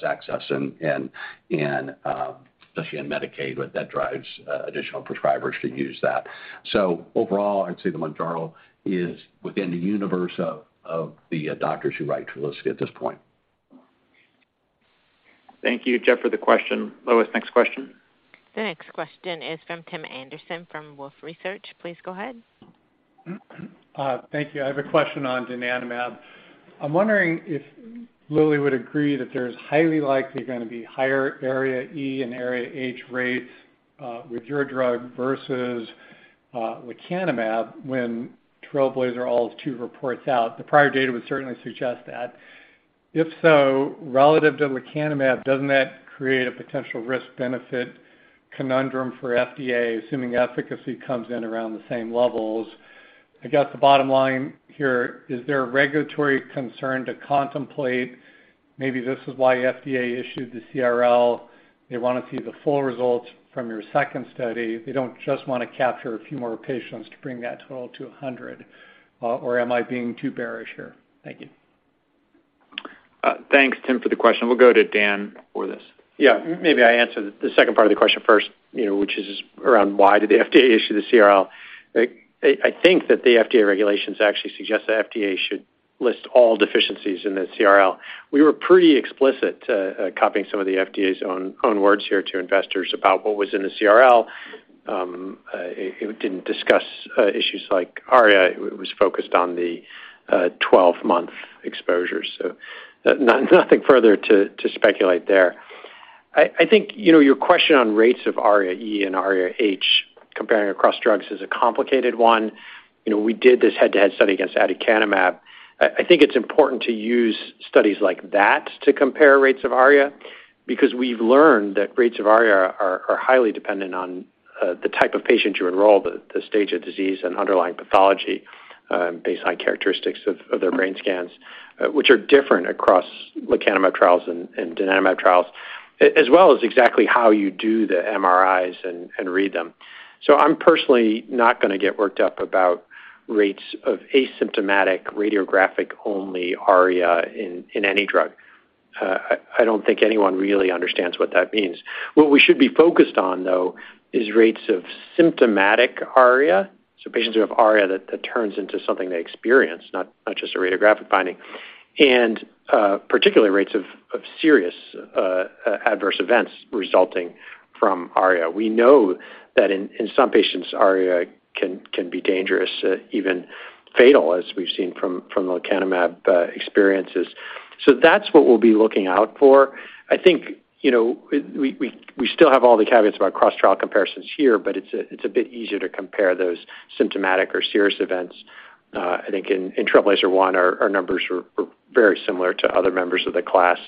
in, especially in Medicaid, but that drives additional prescribers to use that. Overall, I'd say the Mounjaro is within the universe of the doctors who write Trulicity at this point. Thank you, Geoff, for the question. Lois, next question. The next question is from Tim Anderson from Wolfe Research. Please go ahead. Thank you. I have a question on donanemab. I'm wondering if Lilly would agree that there's highly likely gonna be higher ARIA-E and ARIA-H rates with your drug versus lecanemab when TRAILBLAZER-ALZ 2 reports out. The prior data would certainly suggest that. If so, relative to lecanemab, doesn't that create a potential risk-benefit conundrum for FDA, assuming efficacy comes in around the same levels? I guess the bottom line here, is there a regulatory concern to contemplate maybe this is why FDA issued the CRL? They wanna see the full results from your second study. They don't just wanna capture a few more patients to bring that total to 100. Or am I being too bearish here? Thank you. Thanks, Tim, for the question. We'll go to Dan for this. Yeah. Maybe I answer the second part of the question first, you know, which is around why did the FDA issue the CRL. I think that the FDA regulations actually suggest the FDA should list all deficiencies in the CRL. We were pretty explicit, copying some of the FDA's own words here to investors about what was in the CRL. It didn't discuss issues like ARIA. It was focused on the 12-month exposure. Nothing further to speculate there. I think, you know, your question on rates of ARIA-E and ARIA-H comparing across drugs is a complicated one. You know, we did this head-to-head study against aducanumab. I think it's important to use studies like that to compare rates of ARIA because we've learned that rates of ARIA are highly dependent on the type of patient you enroll, the stage of disease and underlying pathology, based on characteristics of their brain scans, which are different across lecanemab trials and donanemab trials, as well as exactly how you do the MRIs and read them. I'm personally not gonna get worked up about rates of asymptomatic radiographic-only ARIA in any drug. I don't think anyone really understands what that means. What we should be focused on, though, is rates of symptomatic ARIA, so patients who have ARIA that turns into something they experience, not just a radiographic finding, and particularly rates of serious adverse events resulting from ARIA. We know that in some patients, ARIA can be dangerous, even fatal, as we've seen from lecanemab experiences. That's what we'll be looking out for. I think, you know, we still have all the caveats about cross-trial comparisons here, but it's a bit easier to compare those symptomatic or serious events. I think in Trailblazer-1 our numbers were very similar to other members of the class.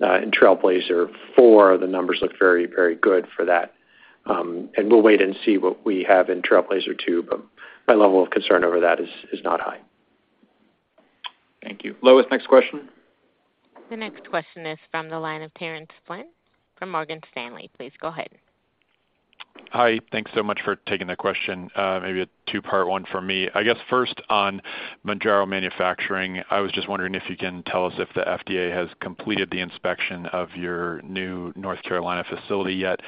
In Trailblazer-4, the numbers look very good for that. We'll wait and see what we have in Trailblazer-2, but my level of concern over that is not high. Thank you. Lois, next question. The next question is from the line of Terence Flynn from Morgan Stanley. Please go ahead. Hi. Thanks so much for taking the question. Maybe a two-part one for me. I guess first on Mounjaro manufacturing, I was just wondering if you can tell us if the FDA has completed the inspection of your new North Carolina facility yet.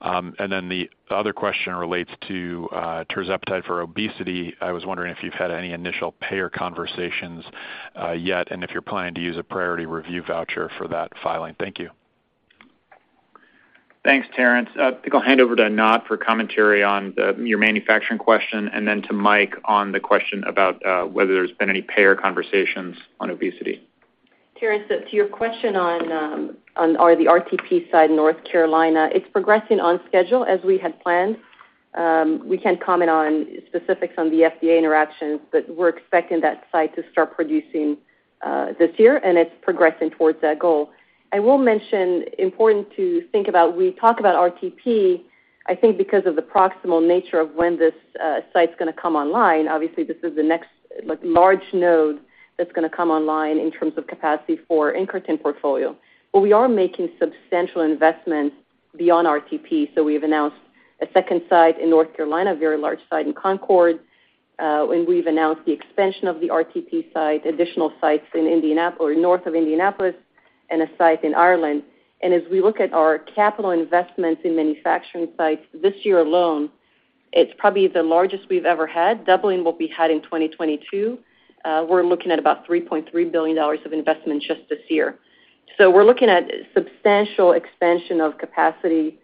The other question relates to tirzepatide for obesity. I was wondering if you've had any initial payer conversations yet and if you're planning to use a priority review voucher for that filing. Thank you. Thanks, Terence. Think I'll hand over to Anat for commentary on your manufacturing question, and then to Mike on the question about whether there's been any payer conversations on obesity. Terence, to your question on, or the RTP site in North Carolina, it's progressing on schedule as we had planned. We can't comment on specifics on the FDA interactions, but we're expecting that site to start producing this year, and it's progressing towards that goal. I will mention, important to think about, we talk about RTP, I think because of the proximal nature of when this site's gonna come online. Obviously, this is the next, like, large node that's gonna come online in terms of capacity for incretin portfolio. We are making substantial investments beyond RTP. We've announced a second site in North Carolina, a very large site in Concord, and we've announced the expansion of the RTP site, additional sites or north of Indianapolis. A site in Ireland. As we look at our capital investments in manufacturing sites this year alone, it's probably the largest we've ever had. Doubling what we had in 2022. We're looking at about $3.3 billion of investment just this year. We're looking at substantial expansion of capacity,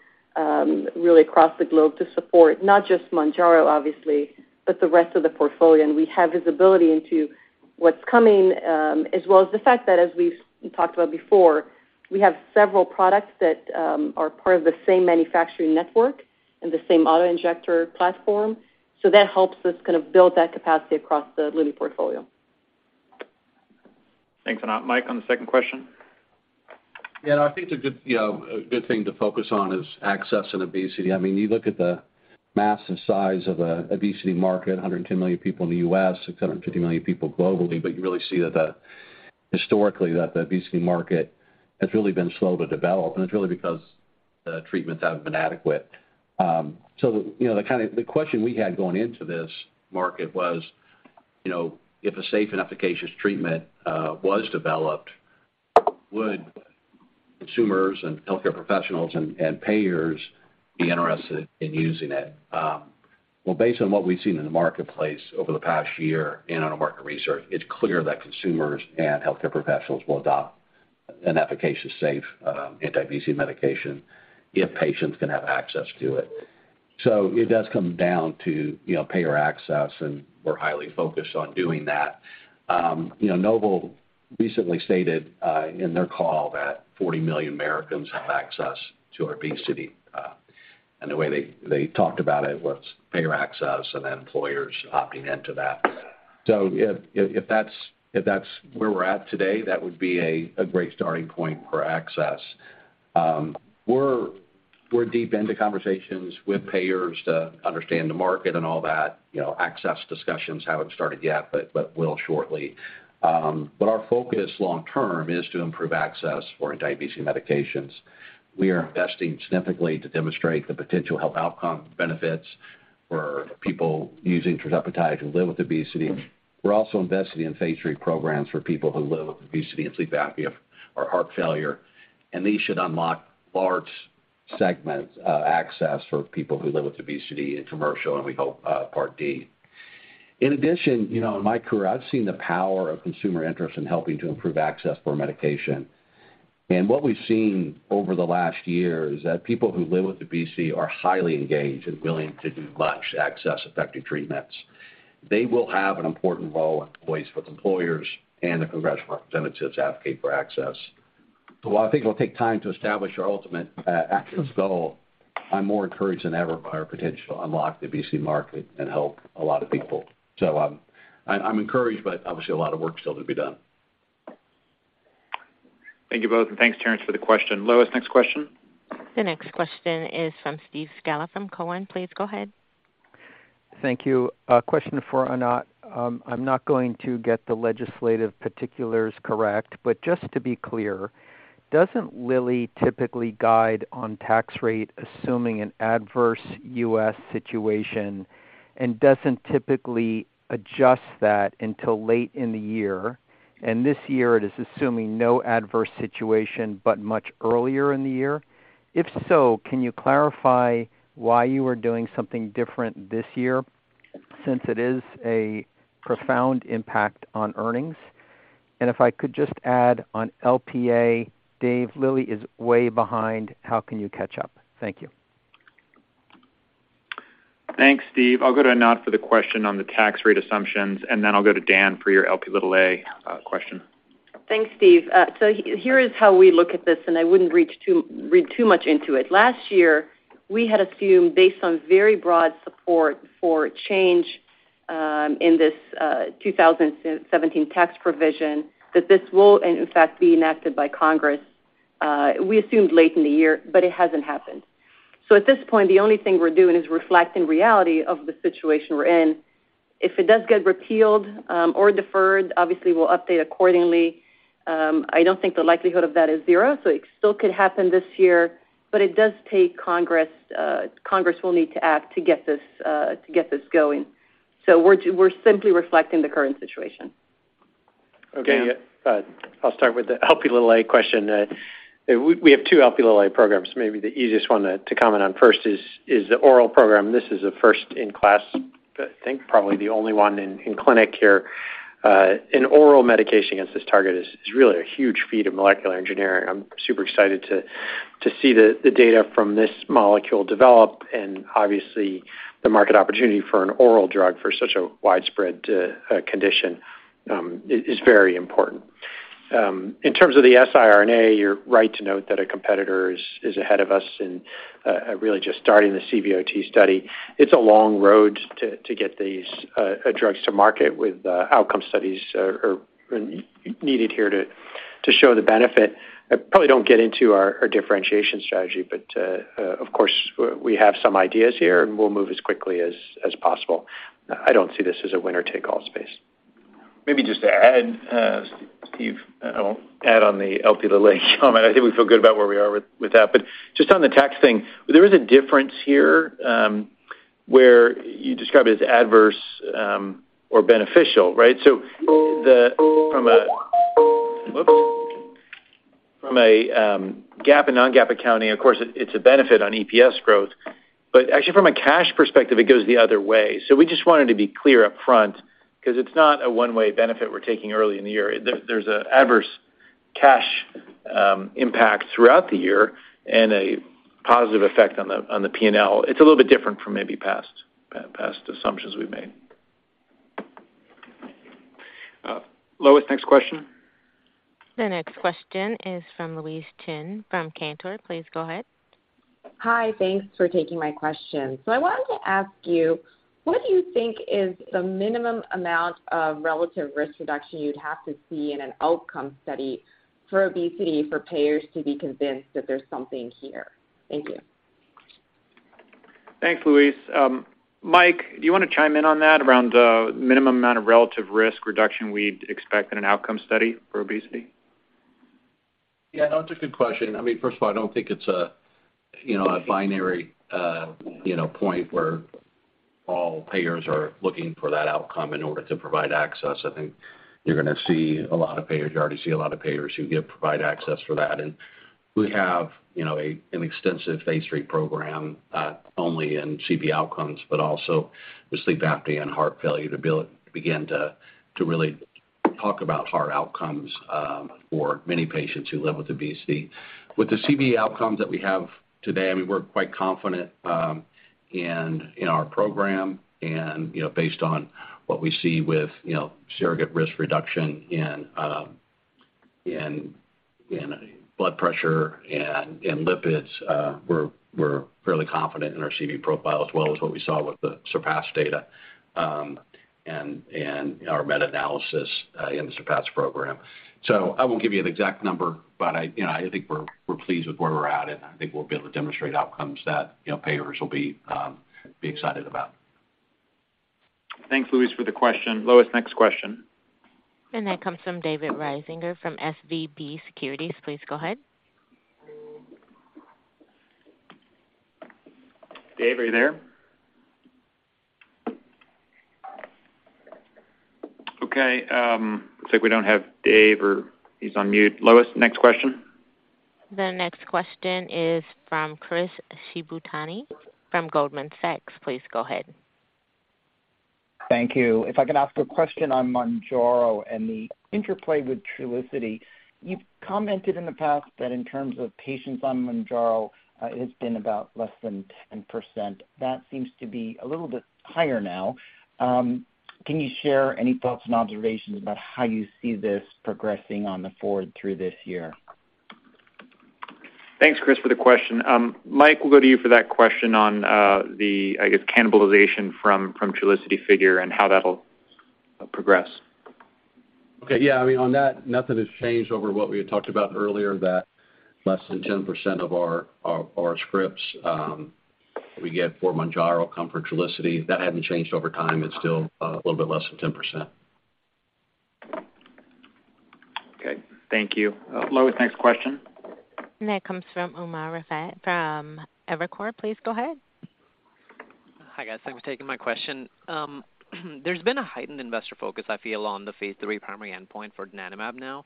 really across the globe to support not just Mounjaro, obviously, but the rest of the portfolio. We have visibility into what's coming, as well as the fact that as we've talked about before, we have several products that are part of the same manufacturing network and the same auto-injector platform. That helps us kind of build that capacity across the Lilly portfolio. Thanks, Anant. Mike, on the second question. Yeah, I think it's a good, you know, a good thing to focus on is access and obesity. I mean, you look at the massive size of the obesity market, 110 million people in the U.S., 650 million people globally. You really see that, historically, that the obesity market has really been slow to develop, and it's really because the treatments haven't been adequate. The question we had going into this market was, you know, if a safe and efficacious treatment was developed, would consumers and healthcare professionals and payers be interested in using it? Well, based on what we've seen in the marketplace over the past year and on our market research, it's clear that consumers and healthcare professionals will adopt an efficacious, safe, anti-obesity medication if patients can have access to it. It does come down to, you know, payer access, and we're highly focused on doing that. You know, Novo recently stated in their call that 40 million Americans have access to obesity. The way they talked about it was payer access and then employers opting into that. If that's where we're at today, that would be a great starting point for access. We're deep into conversations with payers to understand the market and all that. You know, access discussions haven't started yet, but will shortly. Our focus long term is to improve access for anti-obesity medications. We are investing significantly to demonstrate the potential health outcome benefits for people using tirzepatide who live with obesity. We're also investing in phase three programs for people who live with obesity and sleep apnea or heart failure. These should unlock large segments of access for people who live with obesity in commercial and we hope, Part D. In addition, you know, in my career, I've seen the power of consumer interest in helping to improve access for medication. What we've seen over the last year is that people who live with obesity are highly engaged and willing to do much to access effective treatments. They will have an important role and voice with employers and the congressional representatives advocating for access. While I think it'll take time to establish our ultimate access goal, I'm more encouraged than ever by our potential to unlock the obesity market and help a lot of people. I'm encouraged, but obviously a lot of work still to be done. Thank you both. Thanks, Terence, for the question. Lois, next question. The next question is from Steve Scala from Cowen. Please go ahead. Thank you. A question for Anant. I'm not going to get the legislative particulars correct, but just to be clear, doesn't Lilly typically guide on tax rate assuming an adverse U.S. situation and doesn't typically adjust that until late in the year, and this year it is assuming no adverse situation, but much earlier in the year? If so, can you clarify why you are doing something different this year since it is a profound impact on earnings? If I could just add on Lp(a), Dave, Lilly is way behind. How can you catch up? Thank you. Thanks, Steve. I'll go to Anant for the question on the tax rate assumptions, and then I'll go to Dan for your Lp(a) question. Thanks, Steve. Here is how we look at this, and I wouldn't read too much into it. Last year, we had assumed based on very broad support for change in this 2017 tax provision that this will in fact be enacted by Congress, we assumed late in the year, it hasn't happened. At this point, the only thing we're doing is reflecting reality of the situation we're in. If it does get repealed or deferred, obviously we'll update accordingly. I don't think the likelihood of that is zero, it still could happen this year, it does take Congress will need to act to get this to get this going. We're simply reflecting the current situation. Dan? Okay. I'll start with the Lp(a) question. We have two Lp(a) programs. Maybe the easiest one to comment on first is the oral program. This is a first-in-class, I think probably the only one in clinic here. An oral medication against this target is really a huge feat of molecular engineering. I'm super excited to see the data from this molecule develop. Obviously the market opportunity for an oral drug for such a widespread condition is very important. In terms of the siRNA, you're right to note that a competitor is ahead of us. Really just starting the CVOT study. It's a long road to get these drugs to market with outcome studies are needed here to show the benefit. I probably don't get into our differentiation strategy, but of course we have some ideas here, and we'll move as quickly as possible. I don't see this as a winner-take-all space. Maybe just to add, Steve, I won't add on the Lp(a) comment. I think we feel good about where we are with that. Just on the tax thing, there is a difference here. Where you describe it as adverse, or beneficial, right? From a GAAP and non-GAAP accounting, of course it's a benefit on EPS growth. Actually from a cash perspective, it goes the other way. We just wanted to be clear up front because it's not a one-way benefit we're taking early in the year. There's a adverse cash impact throughout the year and a positive effect on the, on the P&L. It's a little bit different from maybe past assumptions we've made. Lois, next question. The next question is from Louise Chen from Cantor. Please go ahead. Hi. Thanks for taking my question. I wanted to ask you, what do you think is the minimum amount of relative risk reduction you'd have to see in an outcome study for obesity for payers to be convinced that there's something here? Thank you. Thanks, Louise. Mike, do you wanna chime in on that around minimum amount of relative risk reduction we'd expect in an outcome study for obesity? Yeah, that's a good question. I mean, first of all, I don't think it's a, you know, a binary, you know, point where all payers are looking for that outcome in order to provide access. I think you're gonna see a lot of payers. You already see a lot of payers who provide access for that. We have, you know, an extensive phase three program, only in CV outcomes, but also with sleep apnea and heart failure to begin to really talk about heart outcomes for many patients who live with obesity. With the CV outcomes that we have today, I mean, we're quite confident, in our program and, you know, based on what we see with, you know, surrogate risk reduction in blood pressure and lipids, we're fairly confident in our CV profile as well as what we saw with the SURPASS data, and our meta-analysis, in the SURPASS program. I won't give you an exact number, but I, you know, I think we're pleased with where we're at, and I think we'll be able to demonstrate outcomes that, you know, payers will be excited about. Thanks, Louise, for the question. Lois, next question. That comes from David Risinger from SVB Securities. Please go ahead. Dave, are you there? Okay, looks like we don't have Dave, or he's on mute. Lois, next question. The next question is from Chris Shibutani from Goldman Sachs. Please go ahead. Thank you. If I can ask a question on Mounjaro and the interplay with Trulicity. You've commented in the past that in terms of patients on Mounjaro, it has been about less than 10%. That seems to be a little bit higher now. Can you share any thoughts and observations about how you see this progressing on the forward through this year? Thanks, Chris, for the question. Mike, we'll go to you for that question on the, I guess, cannibalization from Trulicity figure and how that'll progress. I mean, on that, nothing has changed over what we had talked about earlier, that less than 10% of our scripts, we get for Mounjaro come from Trulicity. That hadn't changed over time. It's still a little bit less than 10%. Okay. Thank you. Lois, next question. That comes from Umer Raffat from Evercore. Please go ahead. Hi, guys. Thanks for taking my question. There's been a heightened investor focus, I feel, on the phase 3 primary endpoint for donanemab now.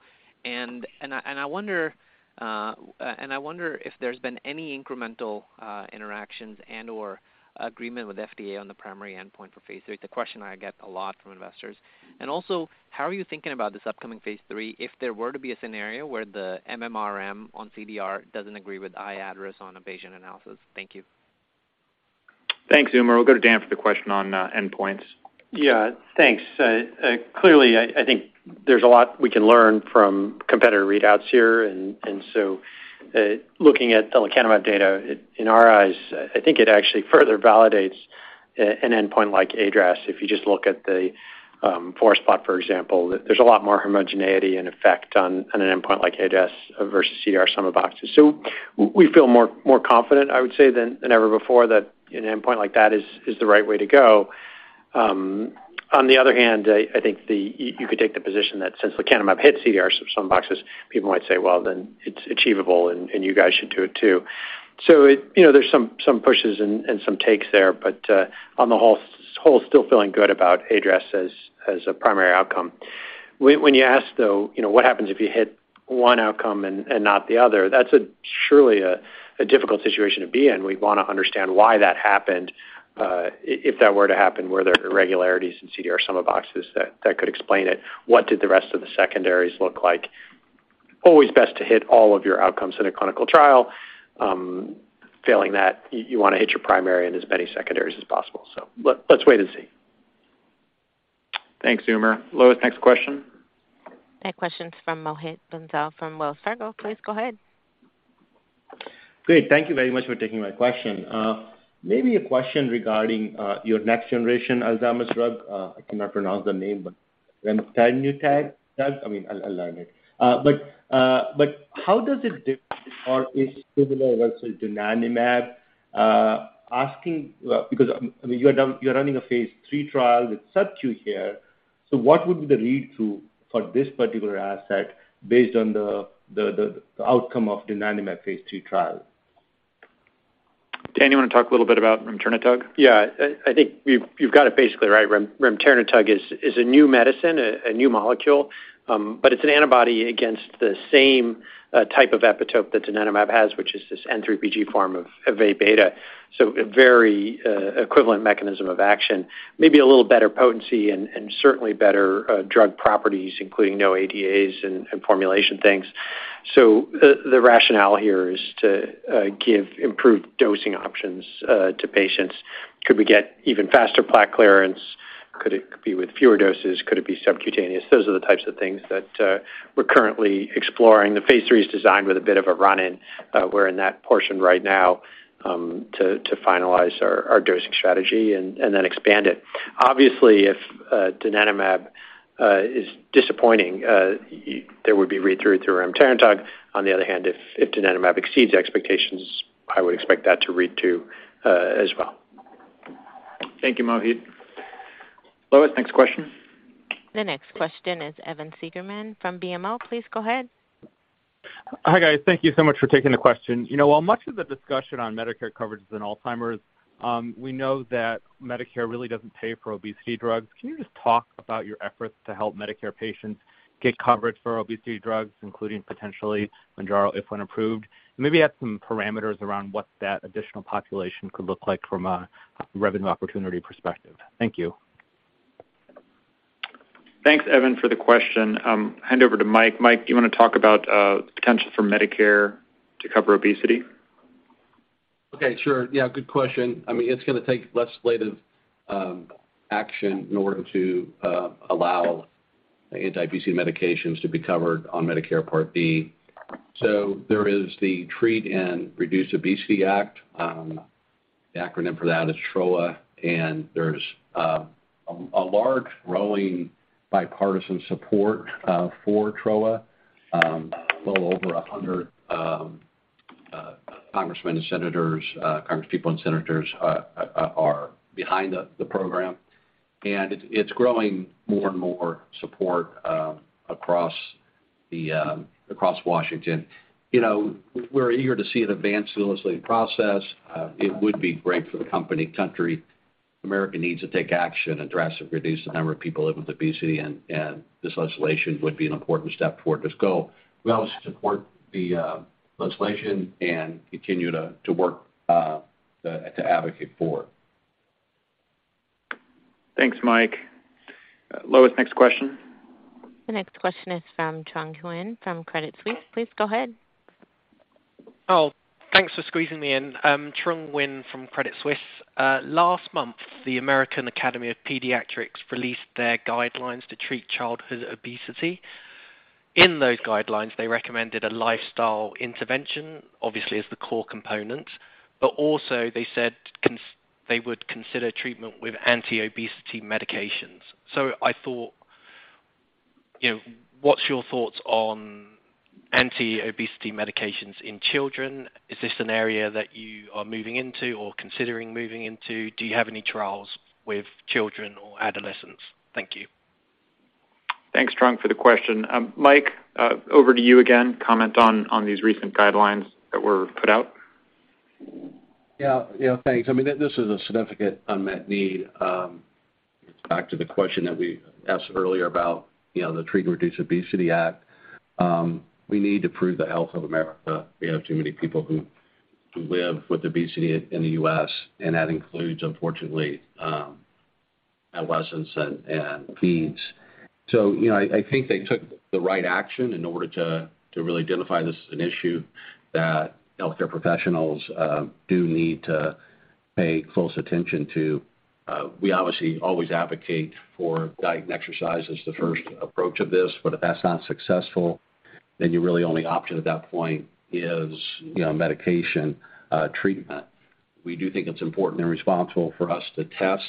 I wonder if there's been any incremental interactions and/or agreement with FDA on the primary endpoint for phase 3. It's a question I get a lot from investors. Also, how are you thinking about this upcoming phase 3 if there were to be a scenario where the MMRM on CDR doesn't agree with IADRS on a patient analysis? Thank you. Thanks, Umer. We'll go to Dan for the question on endpoints. Yeah. Thanks. Clearly, I think there's a lot we can learn from competitor readouts here. Looking at the lecanemab data, in our eyes, I think it actually further validates an endpoint like ADAS. If you just look at the forest plot, for example, there's a lot more homogeneity and effect on an endpoint like ADAS versus CDR sum of boxes. We feel more confident, I would say, than ever before that an endpoint like that is the right way to go. On the other hand, I think you could take the position that since lecanemab hit CDR sum of boxes, people might say, "Well, then it's achievable and you guys should do it too." It, you know, there's some pushes and some takes there. On the whole, still feeling good about ADAS as a primary outcome. When you ask though, you know, what happens if you hit one outcome and not the other? That's surely a difficult situation to be in. We'd want to understand why that happened. If that were to happen, were there irregularities in CDR Sum of Boxes that could explain it? What did the rest of the secondaries look like? Always best to hit all of your outcomes in a clinical trial. Failing that, you want to hit your primary and as many secondaries as possible. Let's wait and see. Thanks, Umer. Lois, next question. That question's from Mohit Bansal from Wells Fargo. Please go ahead. Great. Thank you very much for taking my question. maybe a question regarding your next generation Alzheimer's drug. I cannot pronounce the name, but remternetug? I mean, I'll learn it. how does it differ or is similar versus donanemab? asking because, I mean, you're running a phase 3 trial with subQ here. What would be the read-through for this particular asset based on the outcome of donanemab phase three trial? Dan, you want to talk a little bit about remternetug? Yeah. I think you've got it basically right. remternetug is a new medicine, a new molecule, but it's an antibody against the same type of epitope that donanemab has, which is this N3pG form of Aβ. A very equivalent mechanism of action. Maybe a little better potency and certainly better drug properties, including no ADAs and formulation things. The rationale here is to give improved dosing options to patients. Could we get even faster plaque clearance? Could it be with fewer doses? Could it be subcutaneous? Those are the types of things that we're currently exploring. The phase three is designed with a bit of a run-in. We're in that portion right now to finalize our dosing strategy and then expand it. Obviously, if donanemab is disappointing, there would be read-through to remternetug. On the other hand, if donanemab exceeds expectations, I would expect that to read to as well. Thank you, Mohit. Lois, next question. The next question is Evan Seigerman from BMO. Please go ahead. Hi, guys. Thank you so much for taking the question. You know, while much of the discussion on Medicare coverage is in Alzheimer's, we know that Medicare really doesn't pay for obesity drugs. Can you just talk about your efforts to help Medicare patients get coverage for obesity drugs, including potentially Mounjaro, if when approved? Maybe add some parameters around what that additional population could look like from a revenue opportunity perspective. Thank you. Thanks, Evan, for the question. Hand over to Mike. Mike, do you want to talk about the potential for Medicare to cover obesity? Okay, sure. Yeah, good question. I mean, it's gonna take legislative action in order to allow anti-obesity medications to be covered on Medicare Part B. There is the Treat and Reduce Obesity Act. The acronym for that is TROA, and there's a large growing bipartisan support for TROA. A little over 100 congresspeople and senators are behind the program. It's growing more and more support across Washington. You know, we're eager to see it advance the legislative process. It would be great for the country. America needs to take action and drastically reduce the number of people living with obesity, and this legislation would be an important step toward this goal. We obviously support the legislation and continue to work to advocate for. Thanks, Mike. Lois, next question. The next question is from Trung Nguyen from Credit Suisse. Please go ahead. Oh, thanks for squeezing me in. I'm Trung Nguyen from Credit Suisse. Last month, the American Academy of Pediatrics released their guidelines to treat childhood obesity. In those guidelines, they recommended a lifestyle intervention, obviously as the core component, but also they said they would consider treatment with anti-obesity medications. I thought, you know, what's your thoughts on anti-obesity medications in children? Is this an area that you are moving into or considering moving into? Do you have any trials with children or adolescents? Thank you. Thanks, Trung, for the question. Mike, over to you again. Comment on these recent guidelines that were put out. Yeah, yeah, thanks. I mean, this is a significant unmet need. It's back to the question that we asked earlier about, you know, the Treat and Reduce Obesity Act. We need to improve the health of America. We have too many people who live with obesity in the U.S., and that includes, unfortunately, adolescents and teens. You know, I think they took the right action in order to really identify this as an issue that healthcare professionals do need to pay close attention to. We obviously always advocate for diet and exercise as the first approach of this, but if that's not successful, then your really only option at that point is, you know, medication treatment. We do think it's important and responsible for us to test,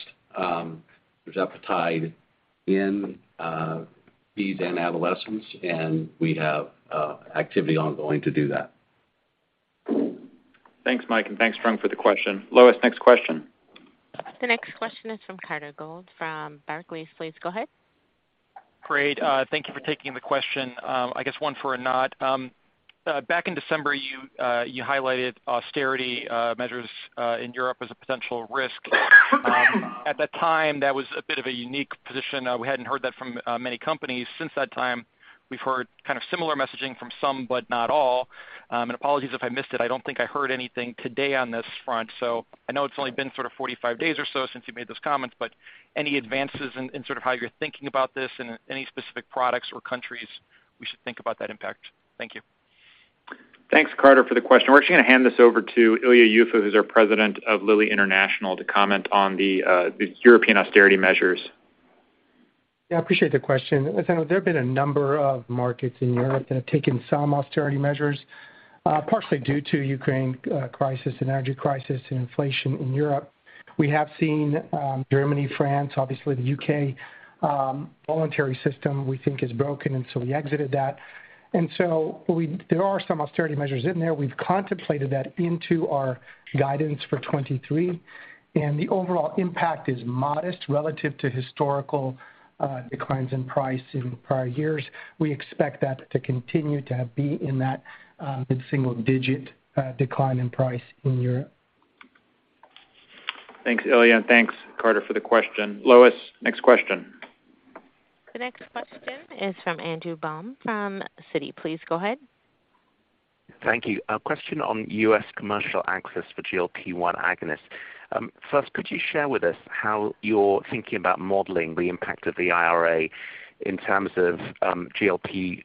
tirzepatide in teens and adolescents, and we have activity ongoing to do that. Thanks, Mike, and thanks, Trung, for the question. Lois, next question. The next question is from Carter Gould from Barclays. Please go ahead. Great. Thank you for taking the question. I guess one for Anat. Back in December, you highlighted austerity measures in Europe as a potential risk. At that time, that was a bit of a unique position. We hadn't heard that from many companies. Since that time, we've heard kind of similar messaging from some, but not all. And apologies if I missed it. I don't think I heard anything today on this front. I know it's only been sort of 45 days or so since you made those comments, but any advances in sort of how you're thinking about this and any specific products or countries we should think about that impact? Thank you. Thanks, Carter, for the question. We're actually gonna hand this over to Ilya Yuffa, who's our President of Lilly International, to comment on the European austerity measures. Yeah, I appreciate the question. As I know, there have been a number of markets in Europe that have taken some austerity measures, partially due to Ukraine, crisis and energy crisis and inflation in Europe. We have seen, Germany, France, obviously the U.K., voluntary system we think is broken, and so we exited that. There are some austerity measures in there. We've contemplated that into our guidance for 2023, and the overall impact is modest relative to historical declines in price in prior years. We expect that to continue to be in that mid-single digit decline in price in Europe. Thanks, Ilya, and thanks, Carter, for the question. Lois, next question. The next question is from Andrew Baum from Citi. Please go ahead. Thank you. A question on U.S. commercial access for GLP-1 agonist. First, could you share with us how you're thinking about modeling the impact of the IRA in terms of GLP-1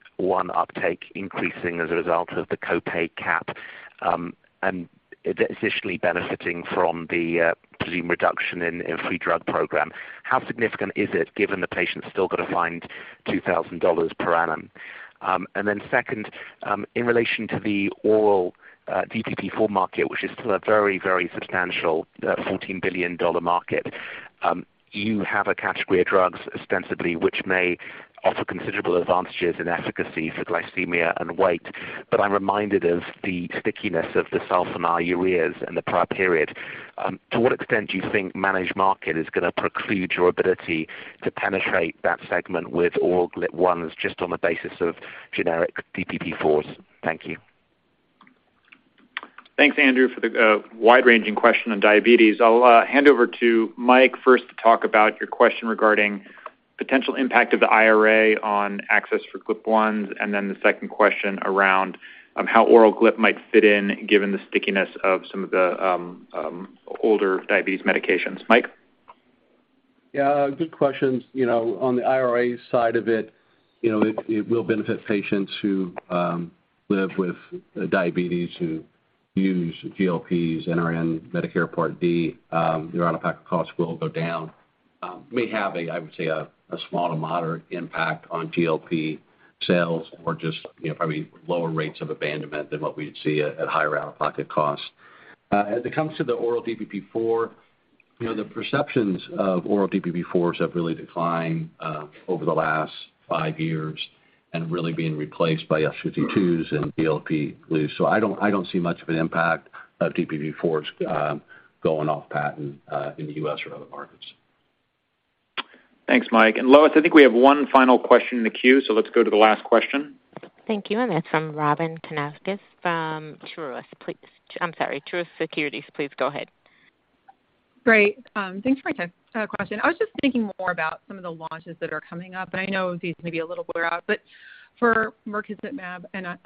uptake increasing as a result of the co-pay cap, and additionally benefiting from the presumed reduction in free drug program? How significant is it given the patient's still gotta find $2,000 per annum? Second, in relation to the oral DPP-4 market, which is still a very substantial $14 billion market, you have a category of drugs ostensibly which may offer considerable advantages in efficacy for glycemia and weight. I'm reminded of the stickiness of the sulfonylureas in the prior period. To what extent do you think managed market is gonna preclude your ability to penetrate that segment with all GLP-1s just on the basis of generic DPP-4s? Thank you. Thanks, Andrew, for the wide-ranging question on diabetes. I'll hand over to Mike first to talk about your question regarding potential impact of the IRA on access for GLP-1s, and then the second question around how oral GLP might fit in given the stickiness of some of the older diabetes medications. Mike? Good questions. You know, on the IRA side of it, you know, it will benefit patients who live with diabetes who use GLPs that are in Medicare Part D, their out-of-pocket costs will go down. May have, I would say a small to moderate impact on GLP sales or just, you know, probably lower rates of abandonment than what we'd see at higher out-of-pocket costs. As it comes to the oral DPP-4, you know, the perceptions of oral DPP-4s have really declined, over the last 5 years and really being replaced by SGLT-2s and GLP loose. I don't see much of an impact of DPP-4s going off patent in the U.S. or other markets. Thanks, Mike. Lois, I think we have one final question in the queue, so let's go to the last question. Thank you. And it's from Robyn Karnauskas from Truist. Please... I'm sorry. Truist Securities, please go ahead. Great. Thanks for my time. Question. I was just thinking more about some of the launches that are coming up. I know these may be a little blur out, but for mirikizumab, and I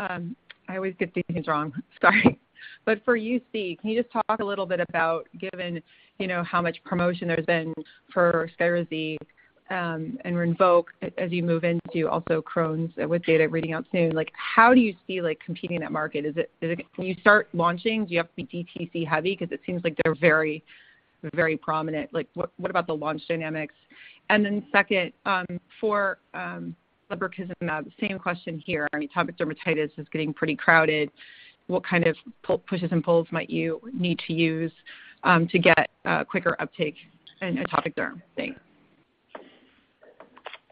always get these names wrong. Sorry. For UC, can you just talk a little bit about given, you know, how much promotion there's been for Skyrizi and Rinvoq as you move into also Crohn's with data reading out soon. Like, how do you see competing in that market? When you start launching, do you have to be DTC heavy? 'Cause it seems like they're very prominent. Like, what about the launch dynamics? Second, for lebrikizumab, same question here. I mean, atopic dermatitis is getting pretty crowded. What kind of pushes and pulls might you need to use to get a quicker uptake in atopic derm? Thanks.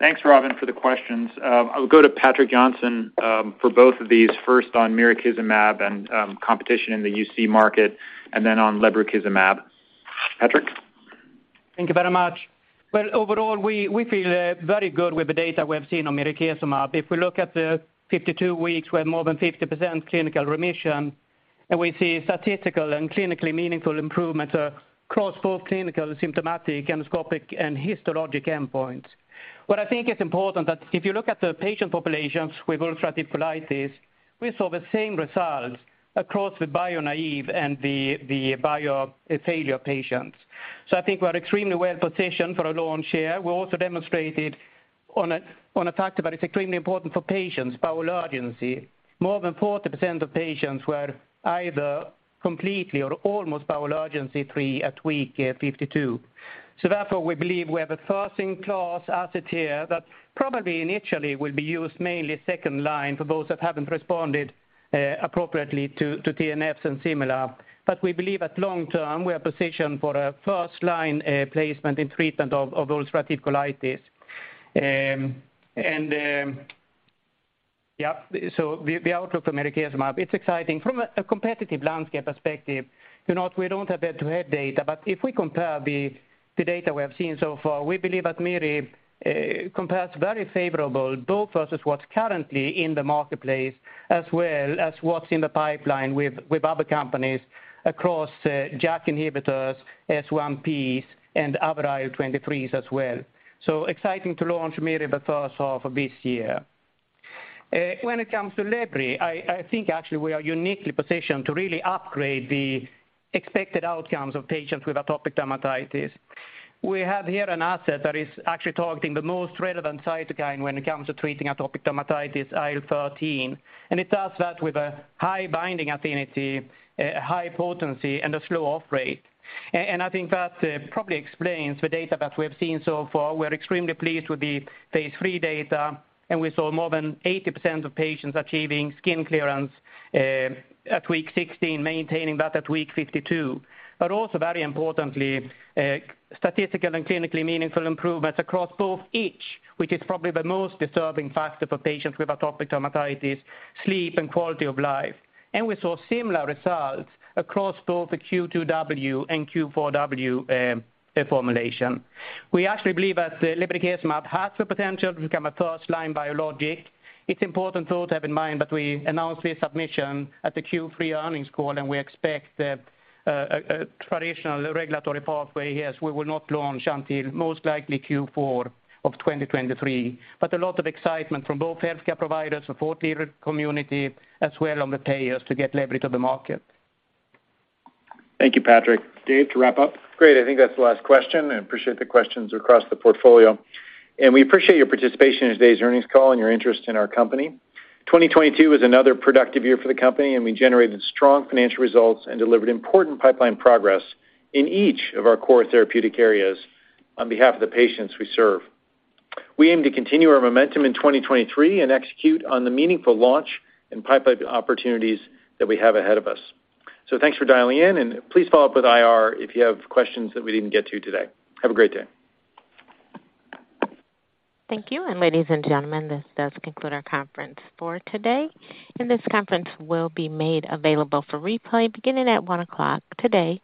Thanks, Robyn, for the questions. I'll go to Patrik Jonsson for both of these. First on mirikizumab and competition in the UC market, and then on lebrikizumab. Patrik? Thank you very much. Well, overall, we feel very good with the data we have seen on mirikizumab. If we look at the 52 weeks with more than 50% clinical remission, and we see statistical and clinically meaningful improvements across both clinical, symptomatic, endoscopic, and histologic endpoints. What I think is important that if you look at the patient populations with ulcerative colitis, we saw the same results across the bio-naive and the bio failure patients. I think we're extremely well-positioned for a launch here. We also demonstrated on a factor that is extremely important for patients, bowel urgency. More than 40% of patients were either completely or almost bowel urgency free at week 52. Therefore, we believe we have a first in class asset here that probably initially will be used mainly second line for those that haven't responded appropriately to TNFs and similar. We believe at long term, we are positioned for a first line placement and treatment of ulcerative colitis. The outlook for mirikizumab, it's exciting. From a competitive landscape perspective, you know, we don't have head-to-head data, but if we compare the data we have seen so far, we believe that miri compares very favorable both versus what's currently in the marketplace as well as what's in the pipeline with other companies across JAK inhibitors, S1Ps, and other IL-23s as well. Exciting to launch miri the first half of this year. When it comes to lebri, I think actually we are uniquely positioned to really upgrade the expected outcomes of patients with atopic dermatitis. We have here an asset that is actually targeting the most relevant cytokine when it comes to treating atopic dermatitis, IL-13, and it does that with a high binding affinity, high potency, and a slow off rate. I think that probably explains the data that we have seen so far. We're extremely pleased with the phase three data, and we saw more than 80% of patients achieving skin clearance at week 16, maintaining that at week 52. Also, very importantly, statistical and clinically meaningful improvements across both itch, which is probably the most disturbing factor for patients with atopic dermatitis, sleep, and quality of life. We saw similar results across both the Q2W and Q4W formulation. We actually believe that the lebrikizumab has the potential to become a first-line biologic. It's important, though, to have in mind that we announced this submission at the Q3 earnings call, and we expect a traditional regulatory pathway here, so we will not launch until most likely Q4 of 2023. A lot of excitement from both healthcare providers, the 40 community, as well on the payers to get lebri to the market. Thank you, Patrik. Dave, to wrap up? Great. I think that's the last question. I appreciate the questions across the portfolio. We appreciate your participation in today's earnings call and your interest in our company. 2022 was another productive year for the company, and we generated strong financial results and delivered important pipeline progress in each of our core therapeutic areas on behalf of the patients we serve. We aim to continue our momentum in 2023 and execute on the meaningful launch and pipeline opportunities that we have ahead of us. Thanks for dialing in, and please follow up with IR if you have questions that we didn't get to today. Have a great day. Thank you. Ladies and gentlemen, this does conclude our conference for today. This conference will be made available for replay beginning at 1:00 today,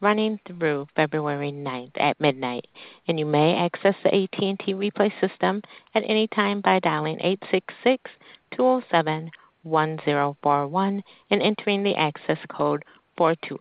running through February 9th at midnight. You may access the AT&T Replay system at any time by dialing 866-207-1041 and entering the access code 42.